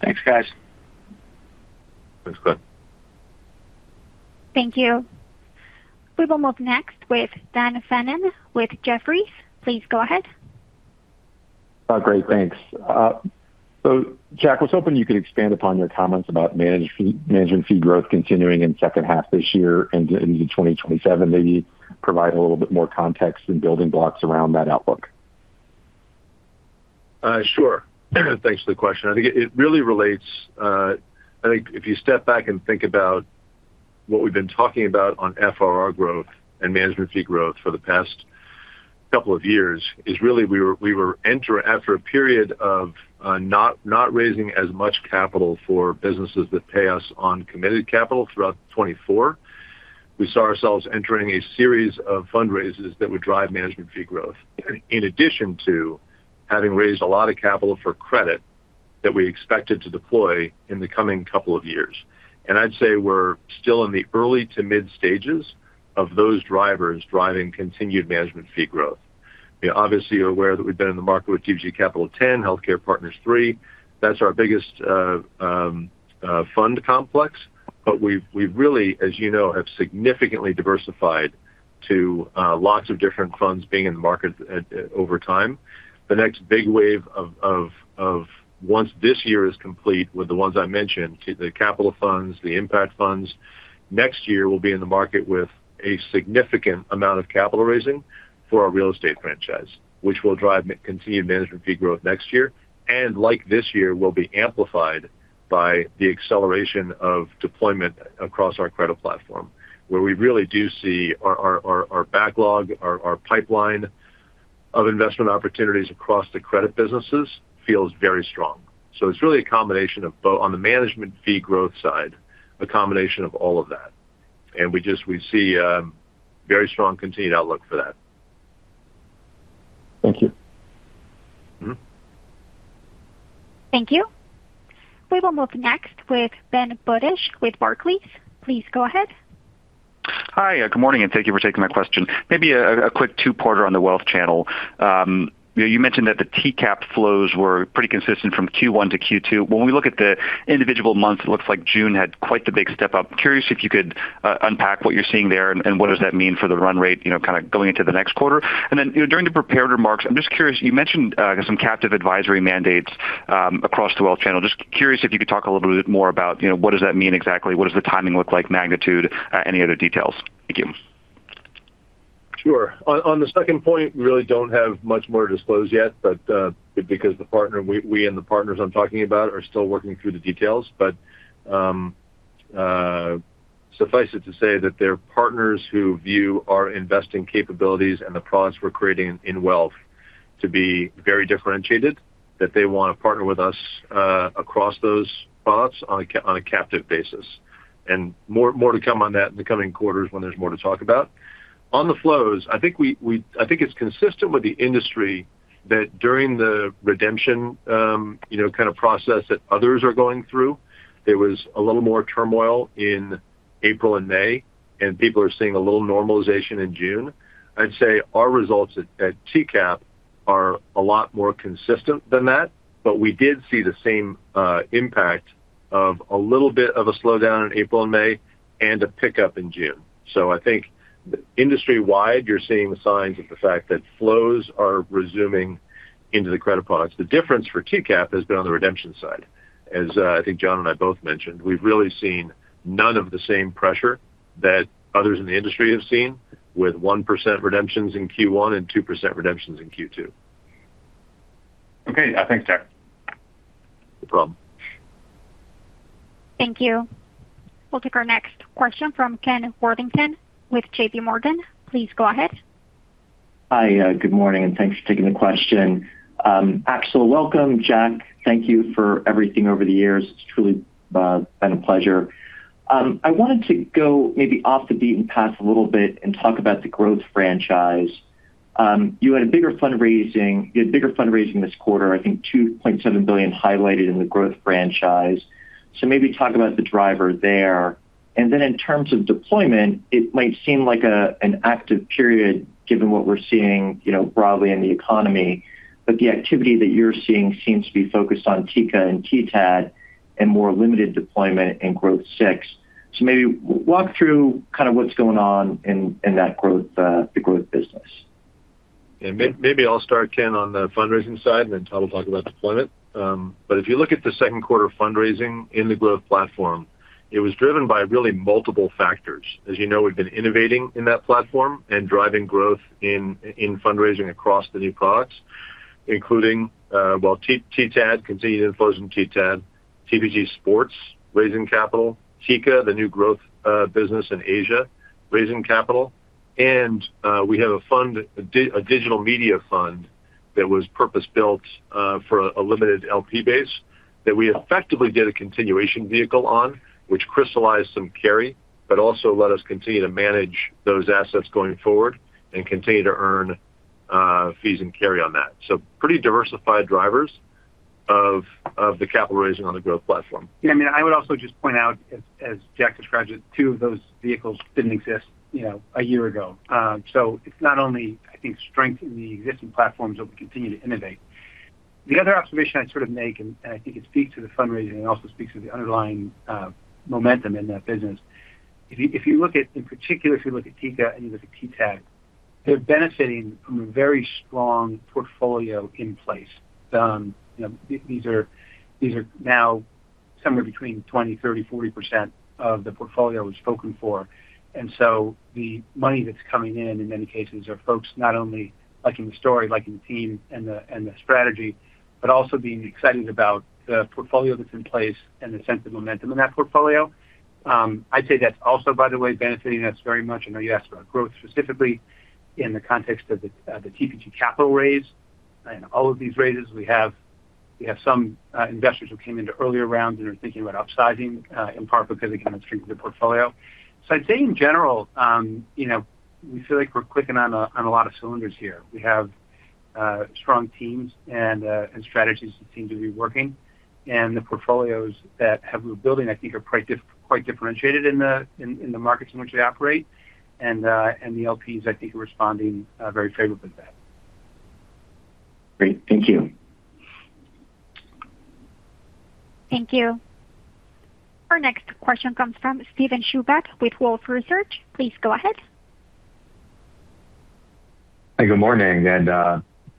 Thanks, guys. Thanks, Glenn. Thank you. We will move next with Dan Fannon with Jefferies. Please go ahead. Great. Thanks. Jack, I was hoping you could expand upon your comments about management fee growth continuing in second half this year into 2027. Maybe provide a little bit more context and building blocks around that outlook. Sure. Thanks for the question. I think if you step back and think about what we've been talking about on FRR growth and management fee growth for the past couple of years is really we were after a period of not raising as much capital for businesses that pay us on committed capital throughout 2024. We saw ourselves entering a series of fundraisers that would drive management fee growth, in addition to having raised a lot of capital for credit that we expected to deploy in the coming couple of years. I'd say we're still in the early to mid stages of those drivers driving continued management fee growth. Obviously, you're aware that we've been in the market with TPG Capital X, Healthcare Partners III. That's our biggest fund complex. We really, as you know, have significantly diversified to lots of different funds being in the market over time. The next big wave of once this year is complete with the ones I mentioned, the capital funds, the impact funds, next year, we'll be in the market with a significant amount of capital raising for our real estate franchise, which will drive continued management fee growth next year. Like this year, will be amplified by the acceleration of deployment across our credit platform, where we really do see our backlog, our pipeline of investment opportunities across the credit businesses feels very strong. It's really, on the management fee growth side, a combination of all of that. We see a very strong continued outlook for that. Thank you. Thank you. We will move next with Ben Budish with Barclays. Please go ahead. Hi. Good morning, thank you for taking my question. Maybe a quick two-parter on the wealth channel. You mentioned that the TCAP flows were pretty consistent from Q1 to Q2. When we look at the individual month, it looks like June had quite the big step up. Curious if you could unpack what you're seeing there, what does that mean for the run rate kind of going into the next quarter. During the prepared remarks, I'm just curious, you mentioned some captive advisory mandates across the wealth channel. Just curious if you could talk a little bit more about what does that mean exactly. What does the timing look like, magnitude, any other details? Thank you. Sure. On the second point, we really don't have much more to disclose yet, because we and the partners I'm talking about are still working through the details. Suffice it to say that they're partners who view our investing capabilities and the products we're creating in wealth to be very differentiated, that they want to partner with us across those products on a captive basis. More to come on that in the coming quarters when there's more to talk about. On the flows, I think it's consistent with the industry that during the redemption kind of process that others are going through, there was a little more turmoil in April and May, and people are seeing a little normalization in June. I'd say our results at TCAP are a lot more consistent than that, but we did see the same impact of a little bit of a slowdown in April and May, and a pickup in June. I think industry-wide, you're seeing signs of the fact that flows are resuming into the credit products. The difference for TCAP has been on the redemption side. As I think Jon and I both mentioned, we've really seen none of the same pressure that others in the industry have seen with 1% redemptions in Q1 and 2% redemptions in Q2. Okay. Thanks, Jack. No problem. Thank you. We'll take our next question from Ken Worthington with JPMorgan. Please go ahead. Hi, good morning, thanks for taking the question. Axel, welcome. Jack, thank you for everything over the years. It's truly been a pleasure. I wanted to go maybe off the beaten path a little bit and talk about the growth franchise. You had bigger fundraising this quarter, I think $2.7 billion highlighted in the growth franchise. Maybe talk about the driver there. In terms of deployment, it might seem like an active period given what we're seeing broadly in the economy. The activity that you're seeing seems to be focused on TIGA and TTAD and more limited deployment in Growth VI. Maybe walk through kind of what's going on in the growth business. Maybe I'll start, Ken, on the fundraising side, Todd will talk about deployment. If you look at the second quarter fundraising in the growth platform, it was driven by really multiple factors. As you know, we've been innovating in that platform and driving growth in fundraising across the new products, including TTAD, continued inflows in TTAD, TPG Sports raising capital, TIGA, the new growth business in Asia, raising capital. We have a digital media fund that was purpose-built for a limited LP base that we effectively did a continuation vehicle on, which crystallized some carry, also let us continue to manage those assets going forward and continue to earn fees and carry on that. Pretty diversified drivers of the capital raising on the growth platform. I would also just point out, as Jack described, two of those vehicles didn't exist a year ago. It's not only, I think, strength in the existing platforms that we continue to innovate. The other observation I'd sort of make, I think it speaks to the fundraising and also speaks to the underlying momentum in that business If you look at, in particular, TIGA and you look at TTAD, they're benefiting from a very strong portfolio in place. These are now somewhere between 20%, 30%, 40% of the portfolio is spoken for, the money that's coming in many cases, are folks not only liking the story, liking the team, and the strategy, but also being excited about the portfolio that's in place and the sense of momentum in that portfolio. I'd say that's also, by the way, benefiting us very much. I know you asked about growth specifically in the context of the TPG Capital raise. In all of these raises, we have some investors who came into earlier rounds and are thinking about upsizing, in part because again, the strength of their portfolio. I'd say in general, we feel like we're clicking on a lot of cylinders here. We have strong teams and strategies that seem to be working, the portfolios that we're building, I think are quite differentiated in the markets in which we operate. The LPs, I think, are responding very favorably to that. Great. Thank you. Thank you. Our next question comes from Steven Chubak with Wolfe Research. Please go ahead. Hi, good morning,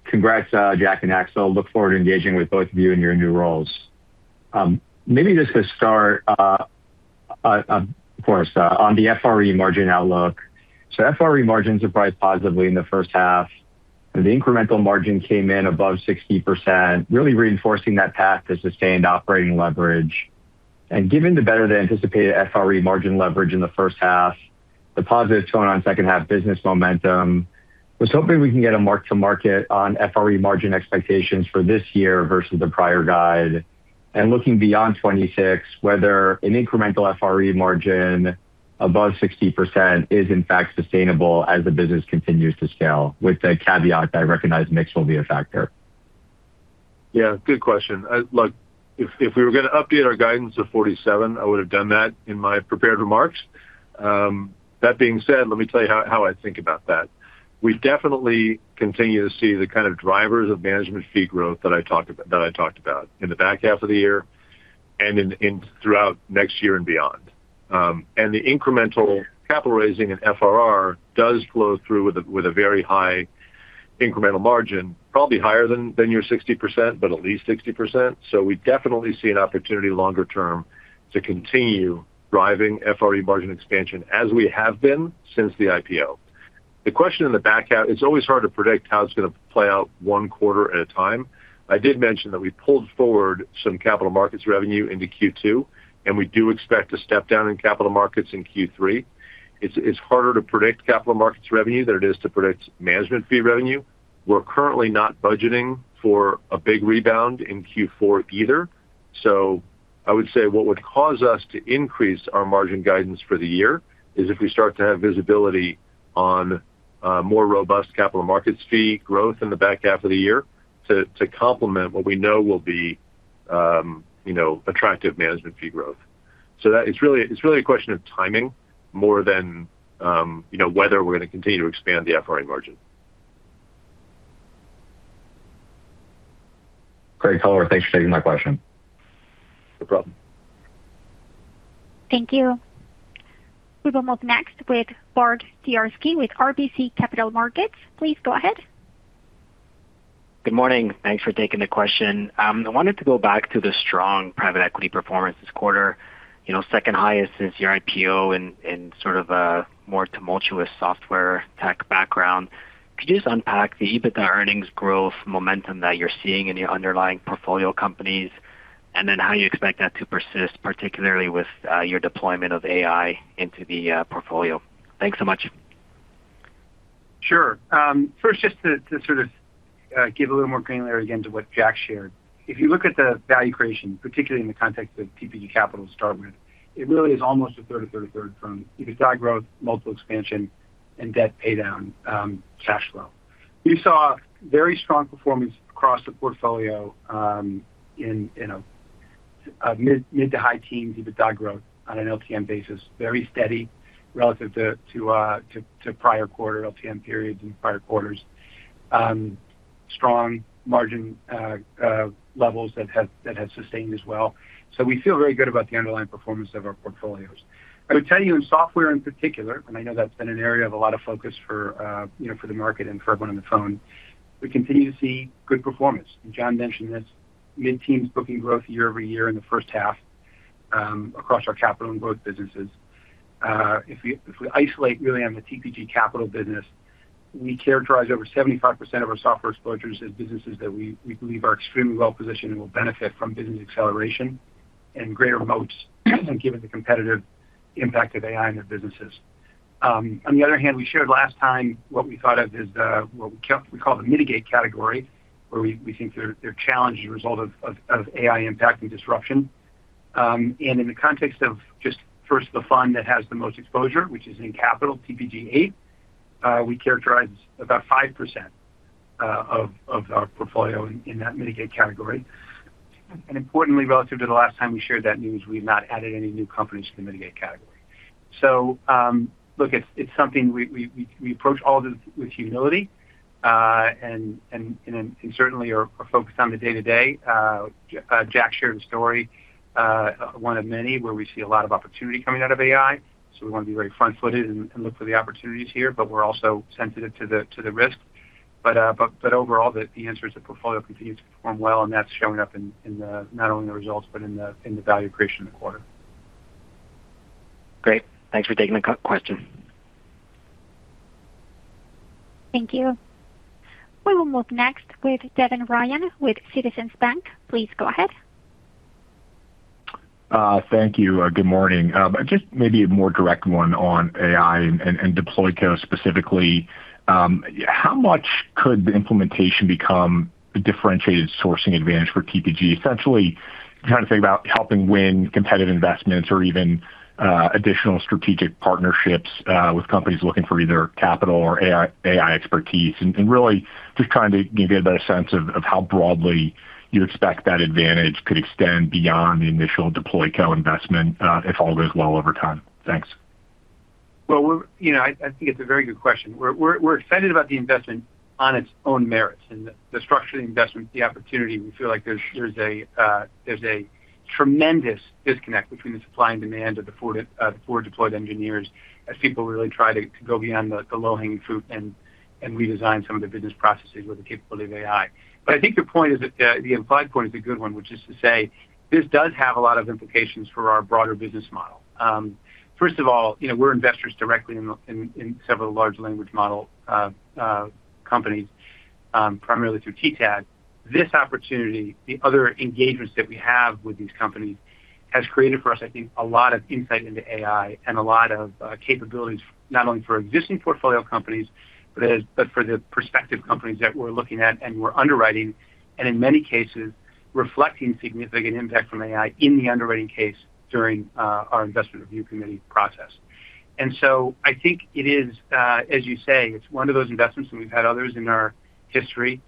congrats Jack and Axel. Look forward to engaging with both of you in your new roles. Maybe just to start, for us on the FRE margin outlook. FRE margins are priced positively in the first half. The incremental margin came in above 60%, really reinforcing that path to sustained operating leverage. Given the better-than-anticipated FRE margin leverage in the first half, the positive tone on second half business momentum, I was hoping we can get a mark to market on FRE margin expectations for this year versus the prior guide. Looking beyond 2026, whether an incremental FRE margin above 60% is in fact sustainable as the business continues to scale with the caveat that I recognize mix will be a factor. Yeah. Good question. Look, if we were going to update our guidance of 47%, I would've done that in my prepared remarks. That being said, let me tell you how I think about that. We definitely continue to see the kind of drivers of management fee growth that I talked about in the back half of the year, and throughout next year and beyond. The incremental capital raising in FRR does flow through with a very high incremental margin, probably higher than your 60%, but at least 60%. We definitely see an opportunity longer term to continue driving FRE margin expansion as we have been since the IPO. The question in the back half, it's always hard to predict how it's going to play out one quarter at a time. I did mention that we pulled forward some capital markets revenue into Q2, and we do expect to step down in capital markets in Q3. It's harder to predict capital markets revenue than it is to predict management fee revenue. We're currently not budgeting for a big rebound in Q4 either. I would say what would cause us to increase our margin guidance for the year is if we start to have visibility on a more robust capital markets fee growth in the back half of the year to complement what we know will be attractive management fee growth. That it's really a question of timing more than whether we're going to continue to expand the FRE margin. Great color. Thanks for taking my question. No problem. Thank you. We will move next with Bart Dziarski with RBC Capital Markets. Please go ahead. Good morning. Thanks for taking the question. I wanted to go back to the strong private equity performance this quarter. Second highest since your IPO in sort of a more tumultuous software tech background. Could you just unpack the EBITDA earnings growth momentum that you're seeing in your underlying portfolio companies, and then how you expect that to persist, particularly with your deployment of AI into the portfolio? Thanks so much. Sure. First, just to sort of give a little more granular, again, to what Jack shared. If you look at the value creation, particularly in the context of TPG Capital to start with, it really is almost a third, a third, a third from EBITDA growth, multiple expansion, and debt paydown cash flow. We saw very strong performance across the portfolio in a mid to high teens EBITDA growth on an LTM basis. Very steady relative to prior quarter LTM periods and prior quarters. Strong margin levels that have sustained as well. We feel very good about the underlying performance of our portfolios. I know that's been an area of a lot of focus for the market and for everyone on the phone. We continue to see good performance, Jon mentioned this, mid-teens booking growth year-over-year in the first half across our capital and growth businesses. If we isolate really on the TPG Capital business, we characterize over 75% of our software exposures as businesses that we believe are extremely well-positioned and will benefit from business acceleration and greater moats given the competitive impact of AI in their businesses. On the other hand, we shared last time what we thought of as what we call the mitigate category, where we think they're challenged as a result of AI impact and disruption. In the context of just first the fund that has the most exposure, which is in capital TPG Eight, we characterize about 5% of our portfolio in that mitigate category. Importantly, relative to the last time we shared that news, we've not added any new companies to the mitigate category. Look, it's something we approach all this with humility, and certainly are focused on the day-to-day. Jack shared a story, one of many, where we see a lot of opportunity coming out of AI. We want to be very front-footed and look for the opportunities here, we're also sensitive to the risk. Overall, the answer is the portfolio continues to perform well, and that's showing up in not only the results, but in the value creation in the quarter. Great. Thanks for taking the question. Thank you. We will move next with Devin Ryan with Citizens Bank. Please go ahead. Thank you. Good morning. Just maybe a more direct one on AI and DeployCo specifically. How much could the implementation become a differentiated sourcing advantage for TPG? Essentially, I'm trying to think about helping win competitive investments or even additional strategic partnerships with companies looking for either capital or AI expertise, really just trying to get a better sense of how broadly you expect that advantage could extend beyond the initial DeployCo investment if all goes well over time. Thanks. Well, I think it's a very good question. We're excited about the investment on its own merits and the structure of the investment, the opportunity. We feel like there's a tremendous disconnect between the supply and demand of the forward deployed engineers as people really try to go beyond the low-hanging fruit and redesign some of the business processes with the capability of AI. I think the implied point is a good one, which is to say this does have a lot of implications for our broader business model. First of all, we're investors directly in several large language model companies, primarily through TTAD. This opportunity, the other engagements that we have with these companies, has created for us, I think, a lot of insight into AI and a lot of capabilities, not only for existing portfolio companies, but for the prospective companies that we're looking at and we're underwriting. In many cases, reflecting significant impact from AI in the underwriting case during our investment review committee process. I think it is, as you say, it's one of those investments, and we've had others in our history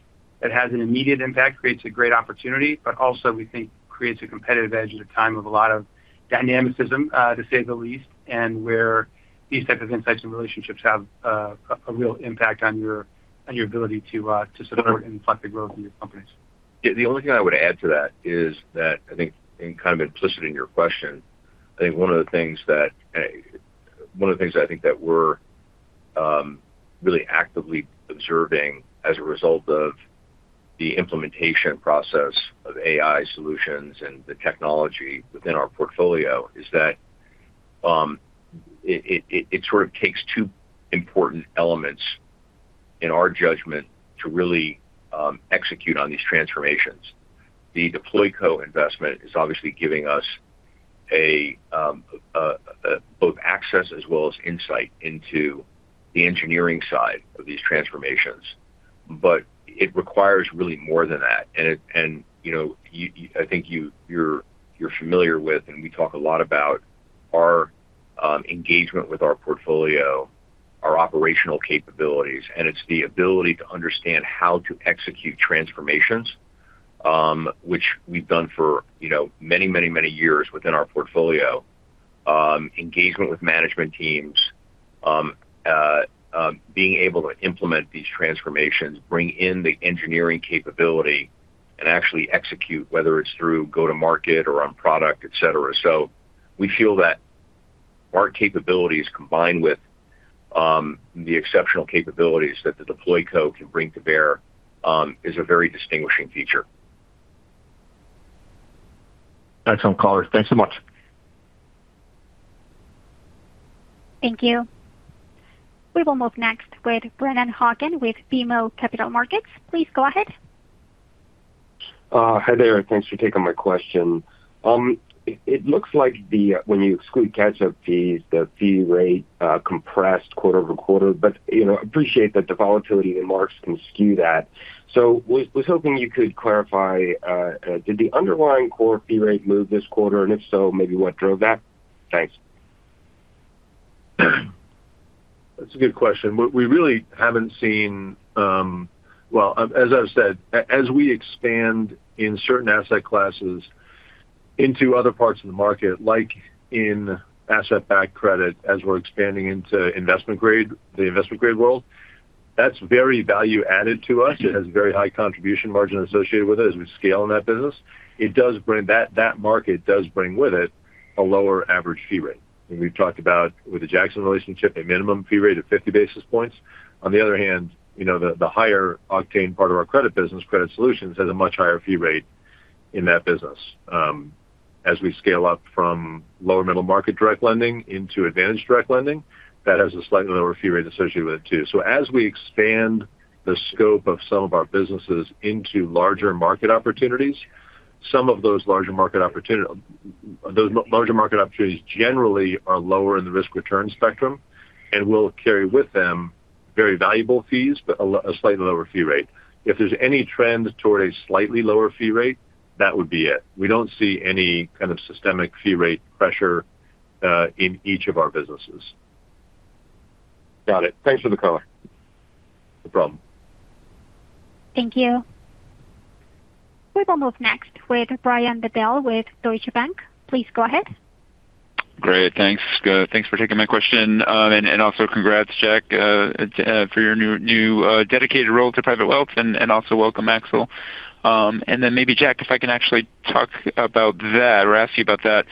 that has an immediate impact, creates a great opportunity, but also we think creates a competitive edge at a time of a lot of dynamicism, to say the least. Where these types of insights and relationships have a real impact on your ability to support and reflect the growth in your companies. The only thing I would add to that is that I think in kind of implicit in your question, one of the things that we're really actively observing as a result of the implementation process of AI solutions and the technology within our portfolio is that it sort of takes two important elements in our judgment to really execute on these transformations. The DeployCo investment is obviously giving us both access as well as insight into the engineering side of these transformations. It requires really more than that. I think you're familiar with, we talk a lot about our engagement with our portfolio, our operational capabilities, and it's the ability to understand how to execute transformations, which we've done for many years within our portfolio. Engagement with management teams, being able to implement these transformations, bring in the engineering capability, and actually execute, whether it's through go-to market or on product, et cetera. We feel that our capabilities combined with the exceptional capabilities that DeployCo can bring to bear is a very distinguishing feature. Thanks for the colour. Thanks so much. Thank you. We will move next with Brennan Hawken with BMO Capital Markets. Please go ahead. Hi there. Thanks for taking my question. It looks like when you exclude catch-up fees, the fee rate compressed quarter-over-quarter. Appreciate that the volatility in marks can skew that. Was hoping you could clarify, did the underlying core fee rate move this quarter, and if so, maybe what drove that? Thanks. That's a good question. We really haven't seen Well, as I've said, as we expand in certain asset classes into other parts of the market, like in asset-backed credit, as we're expanding into the investment grade world, that's very value added to us. It has very high contribution margin associated with it as we scale in that business. That market does bring with it a lower average fee rate. We've talked about with the Jackson relationship, a minimum fee rate of 50 basis points. On the other hand, the higher octane part of our credit business, credit solutions, has a much higher fee rate in that business. As we scale up from lower middle market direct lending into Advantage Direct Lending, that has a slightly lower fee rate associated with it, too. As we expand the scope of some of our businesses into larger market opportunities, some of those larger market opportunities generally are lower in the risk return spectrum, and will carry with them very valuable fees, but a slightly lower fee rate. If there's any trend toward a slightly lower fee rate, that would be it. We don't see any kind of systemic fee rate pressure in each of our businesses. Got it. Thanks for the color. No problem. Thank you. We will move next with Brian Bedell with Deutsche Bank. Please go ahead. Great. Thanks. Thanks for taking my question, also congrats, Jack, for your new dedicated role to private wealth, also welcome, Axel. Then maybe, Jack, if I can actually talk about that or ask you about that,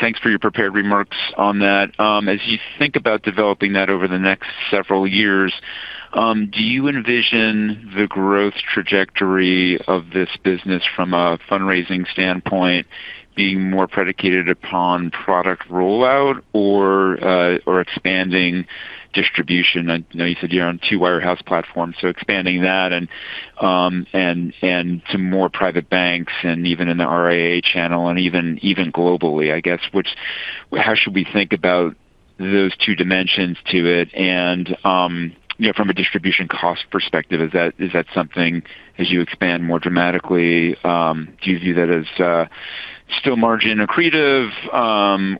thanks for your prepared remarks on that. As you think about developing that over the next several years, do you envision the growth trajectory of this business from a fundraising standpoint, being more predicated upon product rollout or expanding distribution? I know you said you're on two wirehouse platforms, so expanding that to more private banks and even in the RIA channel and even globally, I guess. How should we think about those two dimensions to it? From a distribution cost perspective, is that something as you expand more dramatically, do you view that as still margin accretive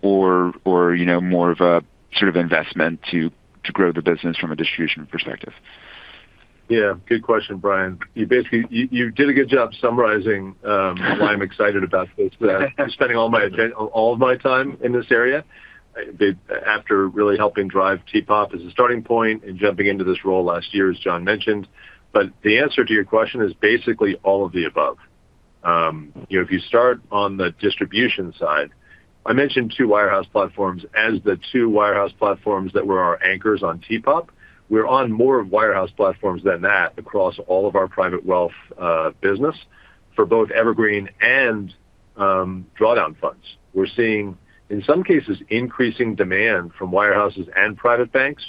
or more of a sort of investment to grow the business from a distribution perspective? Good question, Brian. You did a good job summarizing why I'm excited about this, spending all of my time in this area, after really helping drive T-POP as a starting point and jumping into this role last year, as Jon mentioned. The answer to your question is basically all of the above. If you start on the distribution side, I mentioned two wirehouse platforms as the two wirehouse platforms that were our anchors on T-POP. We're on more wirehouse platforms than that across all of our private wealth business for both evergreen and drawdown funds. We're seeing, in some cases, increasing demand from wirehouses and private banks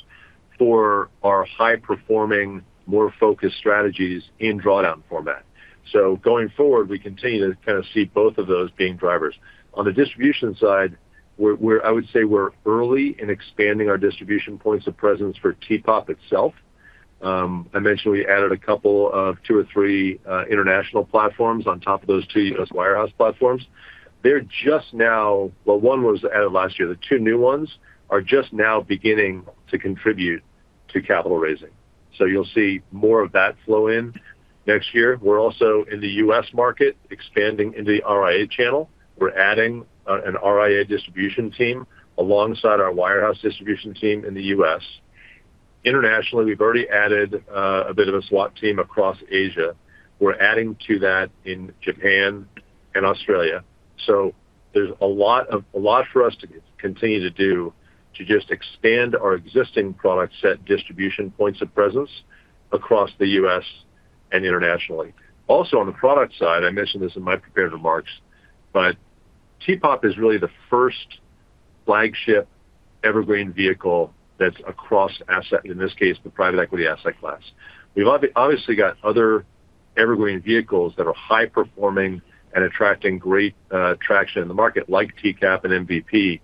for our high-performing, more focused strategies in drawdown format. Going forward, we continue to kind of see both of those being drivers. On the distribution side, I would say we're early in expanding our distribution points of presence for T-POP itself. I mentioned we added a couple of two or three international platforms on top of those two U.S. wirehouse platforms. Well, one was added last year. The two new ones are just now beginning to contribute to capital raising. You'll see more of that flow in next year. We're also in the U.S. market, expanding into the RIA channel. We're adding an RIA distribution team alongside our wirehouse distribution team in the U.S. Internationally, we've already added a bit of a SWAT team across Asia. We're adding to that in Japan and Australia. There's a lot for us to continue to do to just expand our existing product set distribution points of presence across the U.S. and internationally. Also, on the product side, I mentioned this in my prepared remarks, but T-POP is really the first flagship evergreen vehicle that's across asset, in this case, the private equity asset class. We've obviously got other evergreen vehicles that are high performing and attracting great traction in the market, like TCAP and MVP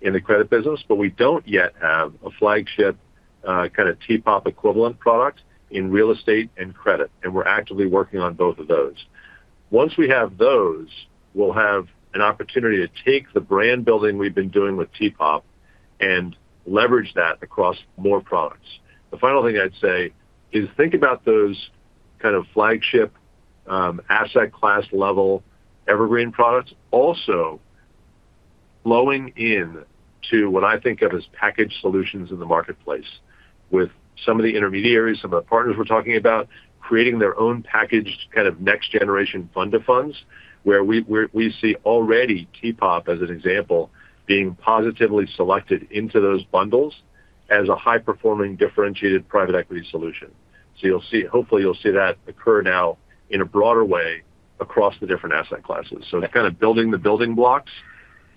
in the credit business, we don't yet have a flagship kind of T-POP equivalent product in real estate and credit, and we're actively working on both of those. Once we have those, we'll have an opportunity to take the brand-building we've been doing with T-POP and leverage that across more products. The final thing I'd say is think about those kind of flagship asset class level evergreen products also flowing in to what I think of as packaged solutions in the marketplace with some of the intermediaries, some of the partners we're talking about, creating their own packaged kind of next generation fund of funds, where we see already T-POP, as an example, being positively selected into those bundles as a high-performing, differentiated private equity solution. Hopefully you'll see that occur now in a broader way across the different asset classes. Kind of building the building blocks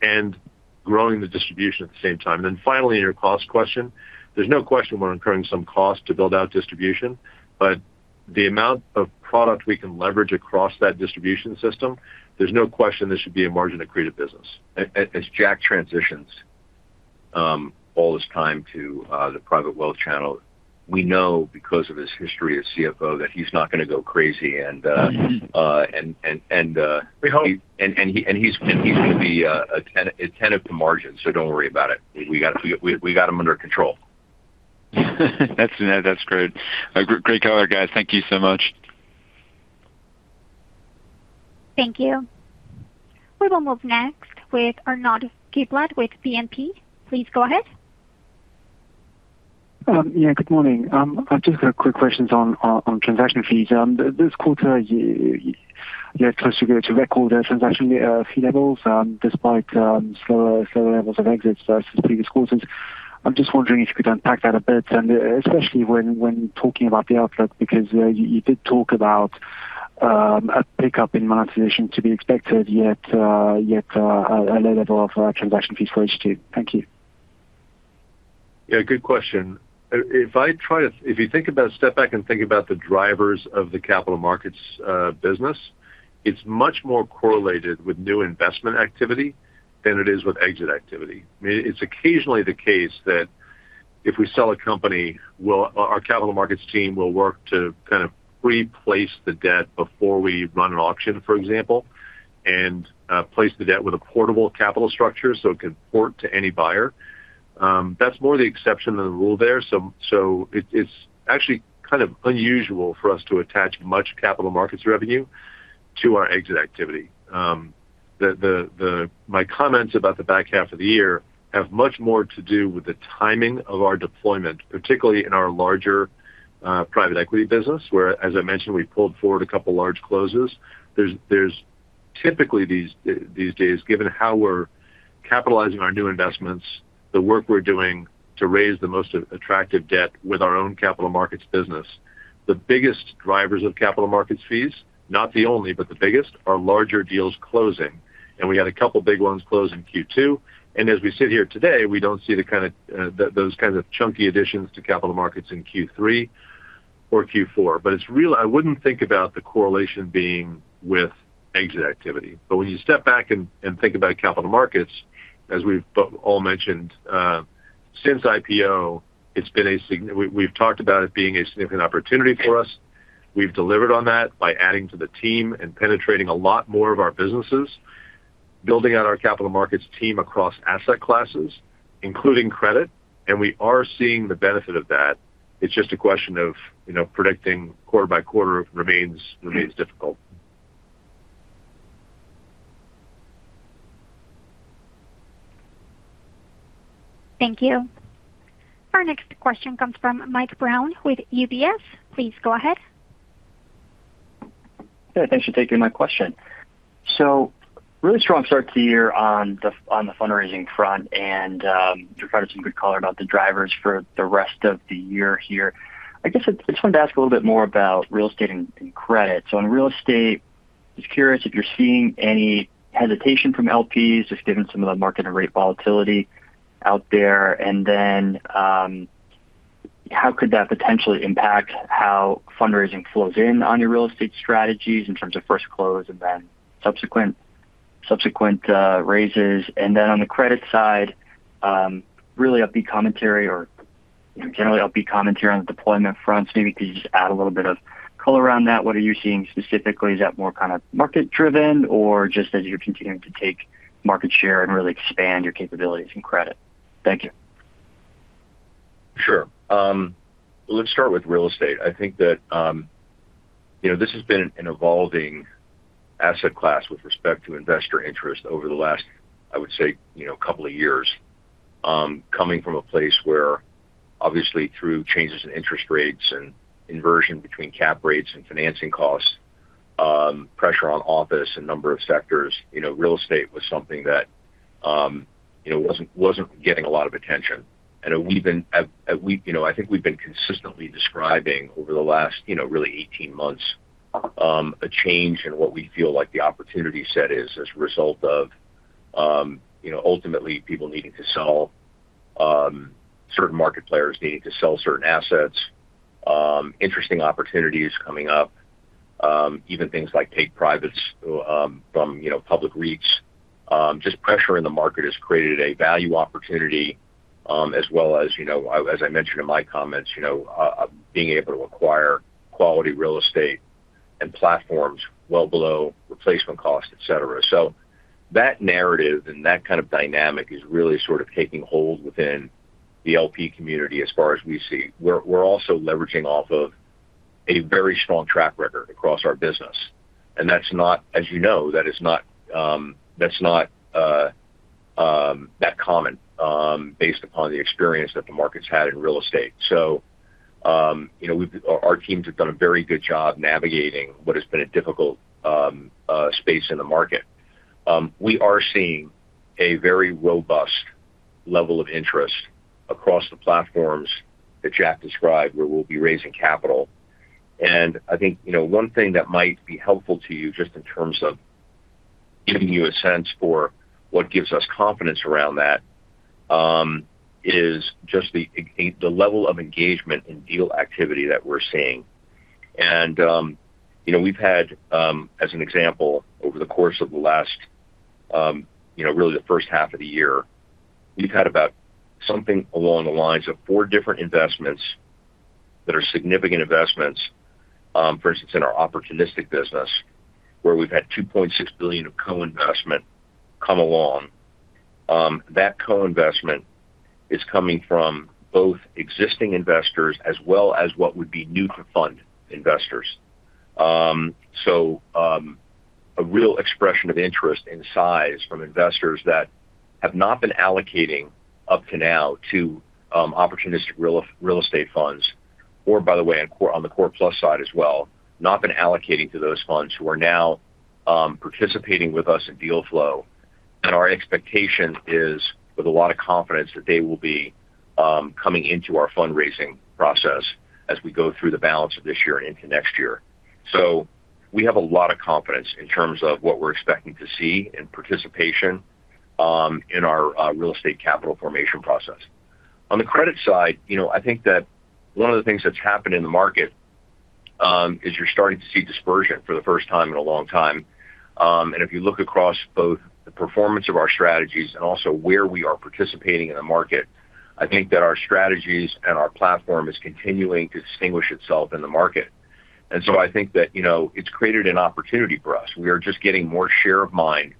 and growing the distribution at the same time. Finally, on your cost question, there's no question we're incurring some cost to build out distribution, but the amount of product we can leverage across that distribution system, there's no question this should be a margin accretive business. As Jack transitions all his time to the private wealth channel, we know because of his history as CFO that he's not going to go crazy. We hope. He's going to be attentive to margins, don't worry about it. We got him under control. That's great. Great color, guys. Thank you so much. Thank you. We will move next with Arnaud Giblat with BNP. Please go ahead. Yeah, good morning. I've just got quick questions on transaction fees. This quarter, you're close to record the transaction fee levels, despite slower levels of exits versus previous quarters. I'm just wondering if you could unpack that a bit, and especially when talking about the outlook, because you did talk about a pickup in monetization to be expected, yet a low level of transaction fees for H2. Thank you. Yeah, good question. If you step back and think about the drivers of the capital markets business, it's much more correlated with new investment activity than it is with exit activity. It's occasionally the case that if we sell a company, our capital markets team will work to kind of preplace the debt before we run an auction, for example. Place the debt with a portable capital structure so it can port to any buyer. That's more the exception than the rule there. It's actually kind of unusual for us to attach much capital markets revenue to our exit activity. My comments about the back half of the year have much more to do with the timing of our deployment, particularly in our larger private equity business, where, as I mentioned, we pulled forward a couple large closes. There is typically these days, given how we're capitalizing our new investments, the work we're doing to raise the most attractive debt with our own capital markets business. The biggest drivers of capital markets fees, not the only, but the biggest, are larger deals closing. We had a couple big ones close in Q2. As we sit here today, we don't see those kinds of chunky additions to capital markets in Q3 or Q4. I wouldn't think about the correlation being with exit activity. When you step back and think about capital markets, as we've all mentioned, since IPO, we've talked about it being a significant opportunity for us. We've delivered on that by adding to the team and penetrating a lot more of our businesses, building out our capital markets team across asset classes, including credit, and we are seeing the benefit of that. It's just a question of predicting quarter by quarter remains difficult. Thank you. Our next question comes from Mike Brown with UBS. Please go ahead. Yeah, thanks for taking my question. Really strong start to the year on the fundraising front and provided some good color about the drivers for the rest of the year here. I guess I just wanted to ask a little bit more about real estate and credit. On real estate, just curious if you're seeing any hesitation from LPs, just given some of the market and rate volatility out there, and then how could that potentially impact how fundraising flows in on your real estate strategies in terms of first close and then subsequent raises? On the credit side, really upbeat commentary or generally upbeat commentary on the deployment front. Maybe could you just add a little bit of color around that? What are you seeing specifically? Is that more kind of market-driven or just as you're continuing to take market share and really expand your capabilities in credit? Thank you. Sure. Let's start with real estate. I think that this has been an evolving asset class with respect to investor interest over the last, I would say, couple of years. Coming from a place where obviously through changes in interest rates and inversion between cap rates and financing costs, pressure on office and number of sectors. Real estate was something that wasn't getting a lot of attention. I think we've been consistently describing over the last really 18 months, a change in what we feel like the opportunity set is as a result of ultimately people needing to sell, certain market players needing to sell certain assets, interesting opportunities coming up, even things like take privates from public REITs. Just pressure in the market has created a value opportunity, as well as I mentioned in my comments, being able to acquire quality real estate and platforms well below replacement cost, et cetera. That narrative and that kind of dynamic is really sort of taking hold within the LP community as far as we see. We're also leveraging off of a very strong track record across our business. As you know, that's not that common based upon the experience that the market's had in real estate. Our teams have done a very good job navigating what has been a difficult space in the market. We are seeing a very robust level of interest across the platforms that Jack described, where we'll be raising capital. I think, one thing that might be helpful to you, just in terms of giving you a sense for what gives us confidence around that, is just the level of engagement in deal activity that we're seeing. We've had, as an example, over the course of the last really the first half of the year, we've had about something along the lines of four different investments that are significant investments, for instance, in our opportunistic business where we've had $2.6 billion of co-investment come along. That co-investment is coming from both existing investors as well as what would be new to fund investors. A real expression of interest in size from investors that have not been allocating up to now to opportunistic real estate funds, or by the way, on the core plus side as well, not been allocating to those funds who are now participating with us in deal flow. Our expectation is, with a lot of confidence, that they will be coming into our fundraising process as we go through the balance of this year and into next year. We have a lot of confidence in terms of what we're expecting to see in participation in our real estate capital formation process. On the credit side, I think that one of the things that's happened in the market is you're starting to see dispersion for the first time in a long time. If you look across both the performance of our strategies and also where we are participating in the market I think that our strategies and our platform is continuing to distinguish itself in the market. So I think that it's created an opportunity for us. We are just getting more share of mind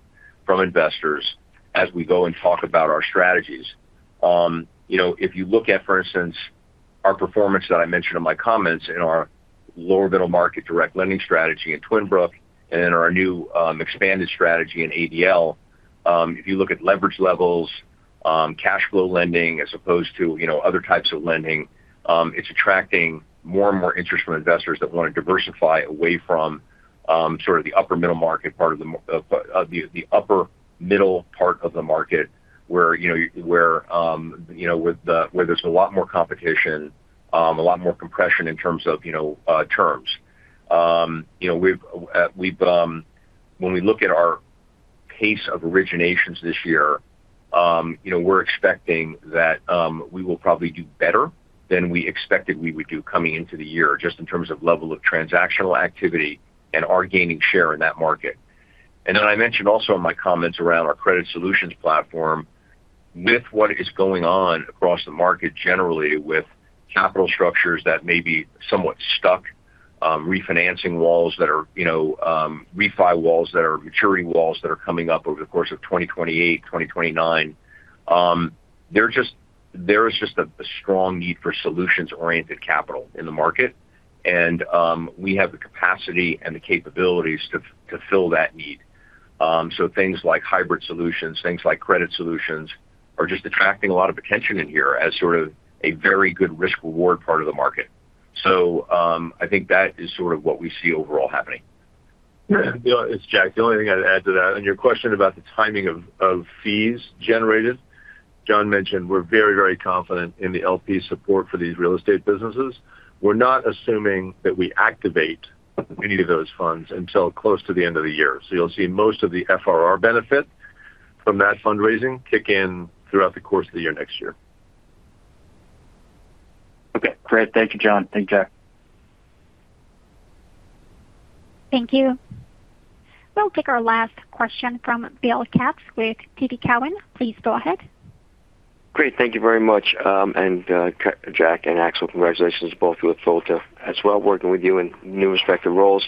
from investors as we go and talk about our strategies. If you look at, for instance, our performance that I mentioned in my comments in our lower middle market direct lending strategy in TPG Twin Brook and in our new expanded strategy in ADL. If you look at leverage levels, cash flow lending as opposed to other types of lending, it's attracting more and more interest from investors that want to diversify away from the upper middle part of the market where there's a lot more competition, a lot more compression in terms of terms. When we look at our pace of originations this year, we're expecting that we will probably do better than we expected we would do coming into the year, just in terms of level of transactional activity and our gaining share in that market. Then I mentioned also in my comments around our credit solutions platform with what is going on across the market generally with capital structures that may be somewhat stuck, refinancing walls that are refi walls, that are maturity walls that are coming up over the course of 2028, 2029. There is just a strong need for solutions-oriented capital in the market. We have the capacity and the capabilities to fill that need. Things like hybrid solutions, things like credit solutions are just attracting a lot of attention in here as sort of a very good risk-reward part of the market. I think that is sort of what we see overall happening. Bill, it's Jack. The only thing I'd add to that, on your question about the timing of fees generated, Jon mentioned we're very confident in the LP support for these real estate businesses. We're not assuming that we activate any of those funds until close to the end of the year. You'll see most of the FRR benefit from that fundraising kick in throughout the course of the year next year. Okay, great. Thank you, Jon. Thank you, Jack. Thank you. We'll take our last question from Bill Katz with TD Cowen. Please go ahead. Great. Thank you very much. Jack and Axel, congratulations both. We look forward to as well working with you in new respective roles.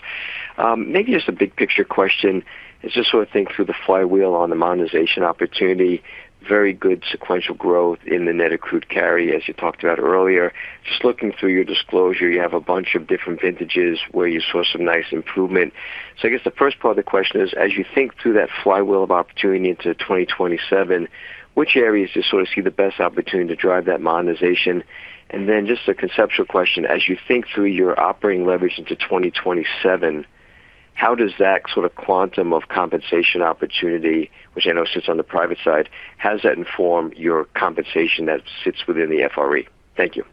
Maybe just a big picture question. Just sort of think through the flywheel on the monetization opportunity. Very good sequential growth in the net accrued carry, as you talked about earlier. Just looking through your disclosure, you have a bunch of different vintages where you saw some nice improvement. I guess the first part of the question is, as you think through that flywheel of opportunity into 2027, which areas do you sort of see the best opportunity to drive that monetization? Then just a conceptual question, as you think through your operating leverage into 2027, how does that sort of quantum of compensation opportunity, which I know sits on the private side, how does that inform your compensation that sits within the FRE? Thank you.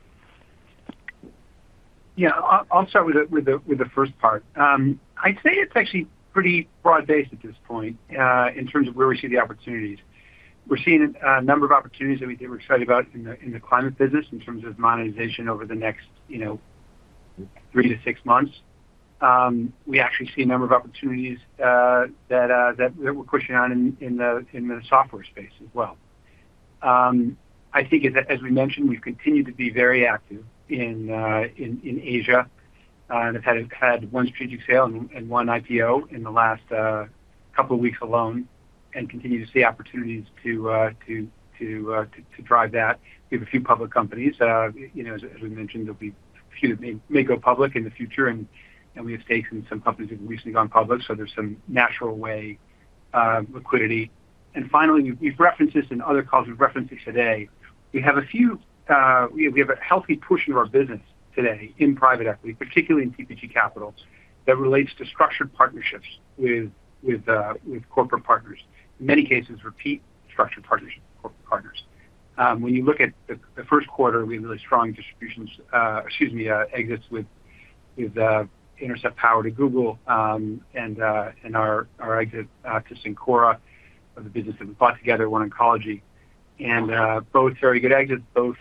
Yeah. I'll start with the first part. I'd say it's actually pretty broad-based at this point in terms of where we see the opportunities. We're seeing a number of opportunities that we're excited about in the climate business in terms of monetization over the next three to six months. We actually see a number of opportunities that we're pushing on in the software space as well. I think as we mentioned, we've continued to be very active in Asia, have had one strategic sale and one IPO in the last couple of weeks alone, and continue to see opportunities to drive that. We have a few public companies. As we mentioned, a few may go public in the future, and we have stakes in some companies that have recently gone public, so there's some natural way liquidity. Finally, we've referenced this in other calls. We've referenced this today. We have a healthy push in our business today in private equity, particularly in TPG Capital, that relates to structured partnerships with corporate partners. In many cases, repeat structured corporate partners. When you look at the first quarter, we had really strong distributions, excuse me, exits with Intercept Power to Google, and our exit to Cencora of the business that we bought together, OneOncology. Both very good exits, both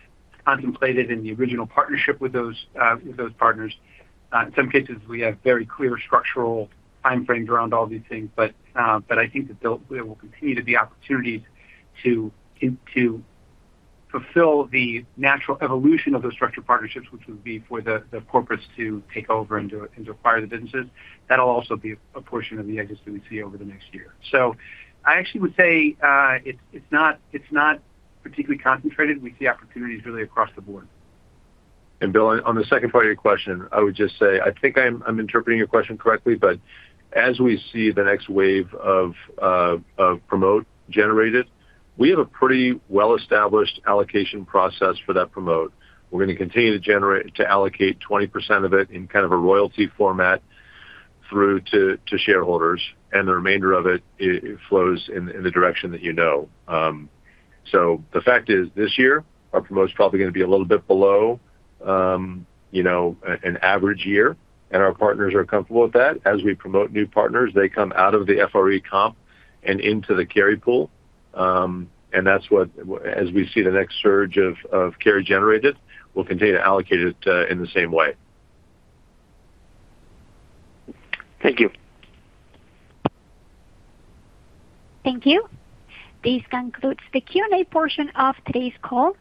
contemplated in the original partnership with those partners. In some cases, we have very clear structural time frames around all these things. I think that there will continue to be opportunities to fulfill the natural evolution of those structured partnerships, which would be for the corporates to take over and to acquire the businesses. That'll also be a portion of the exits that we see over the next year. I actually would say it's not particularly concentrated. We see opportunities really across the board. Bill, on the second part of your question, I would just say, I think I'm interpreting your question correctly. As we see the next wave of promote generated, we have a pretty well-established allocation process for that promote. We're going to continue to allocate 20% of it in kind of a royalty format through to shareholders. The remainder of it flows in the direction that you know. The fact is, this year our promote's probably going to be a little bit below an average year. Our partners are comfortable with that. As we promote new partners, they come out of the FRE comp and into the carry pool. As we see the next surge of carry generated, we'll continue to allocate it in the same way. Thank you. Thank you. This concludes the Q&A portion of today's call.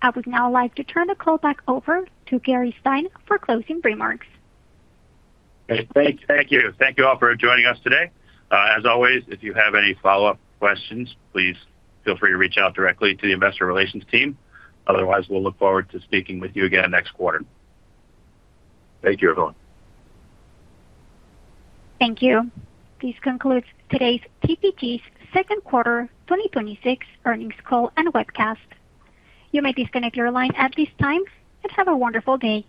I would now like to turn the call back over to Gary Stein for closing remarks. Great. Thank you. Thank you all for joining us today. As always, if you have any follow-up questions, please feel free to reach out directly to the investor relations team. Otherwise, we'll look forward to speaking with you again next quarter. Thank you, everyone. Thank you. This concludes today's TPG's second quarter 2026 earnings call and webcast. You may disconnect your line at this time, and have a wonderful day.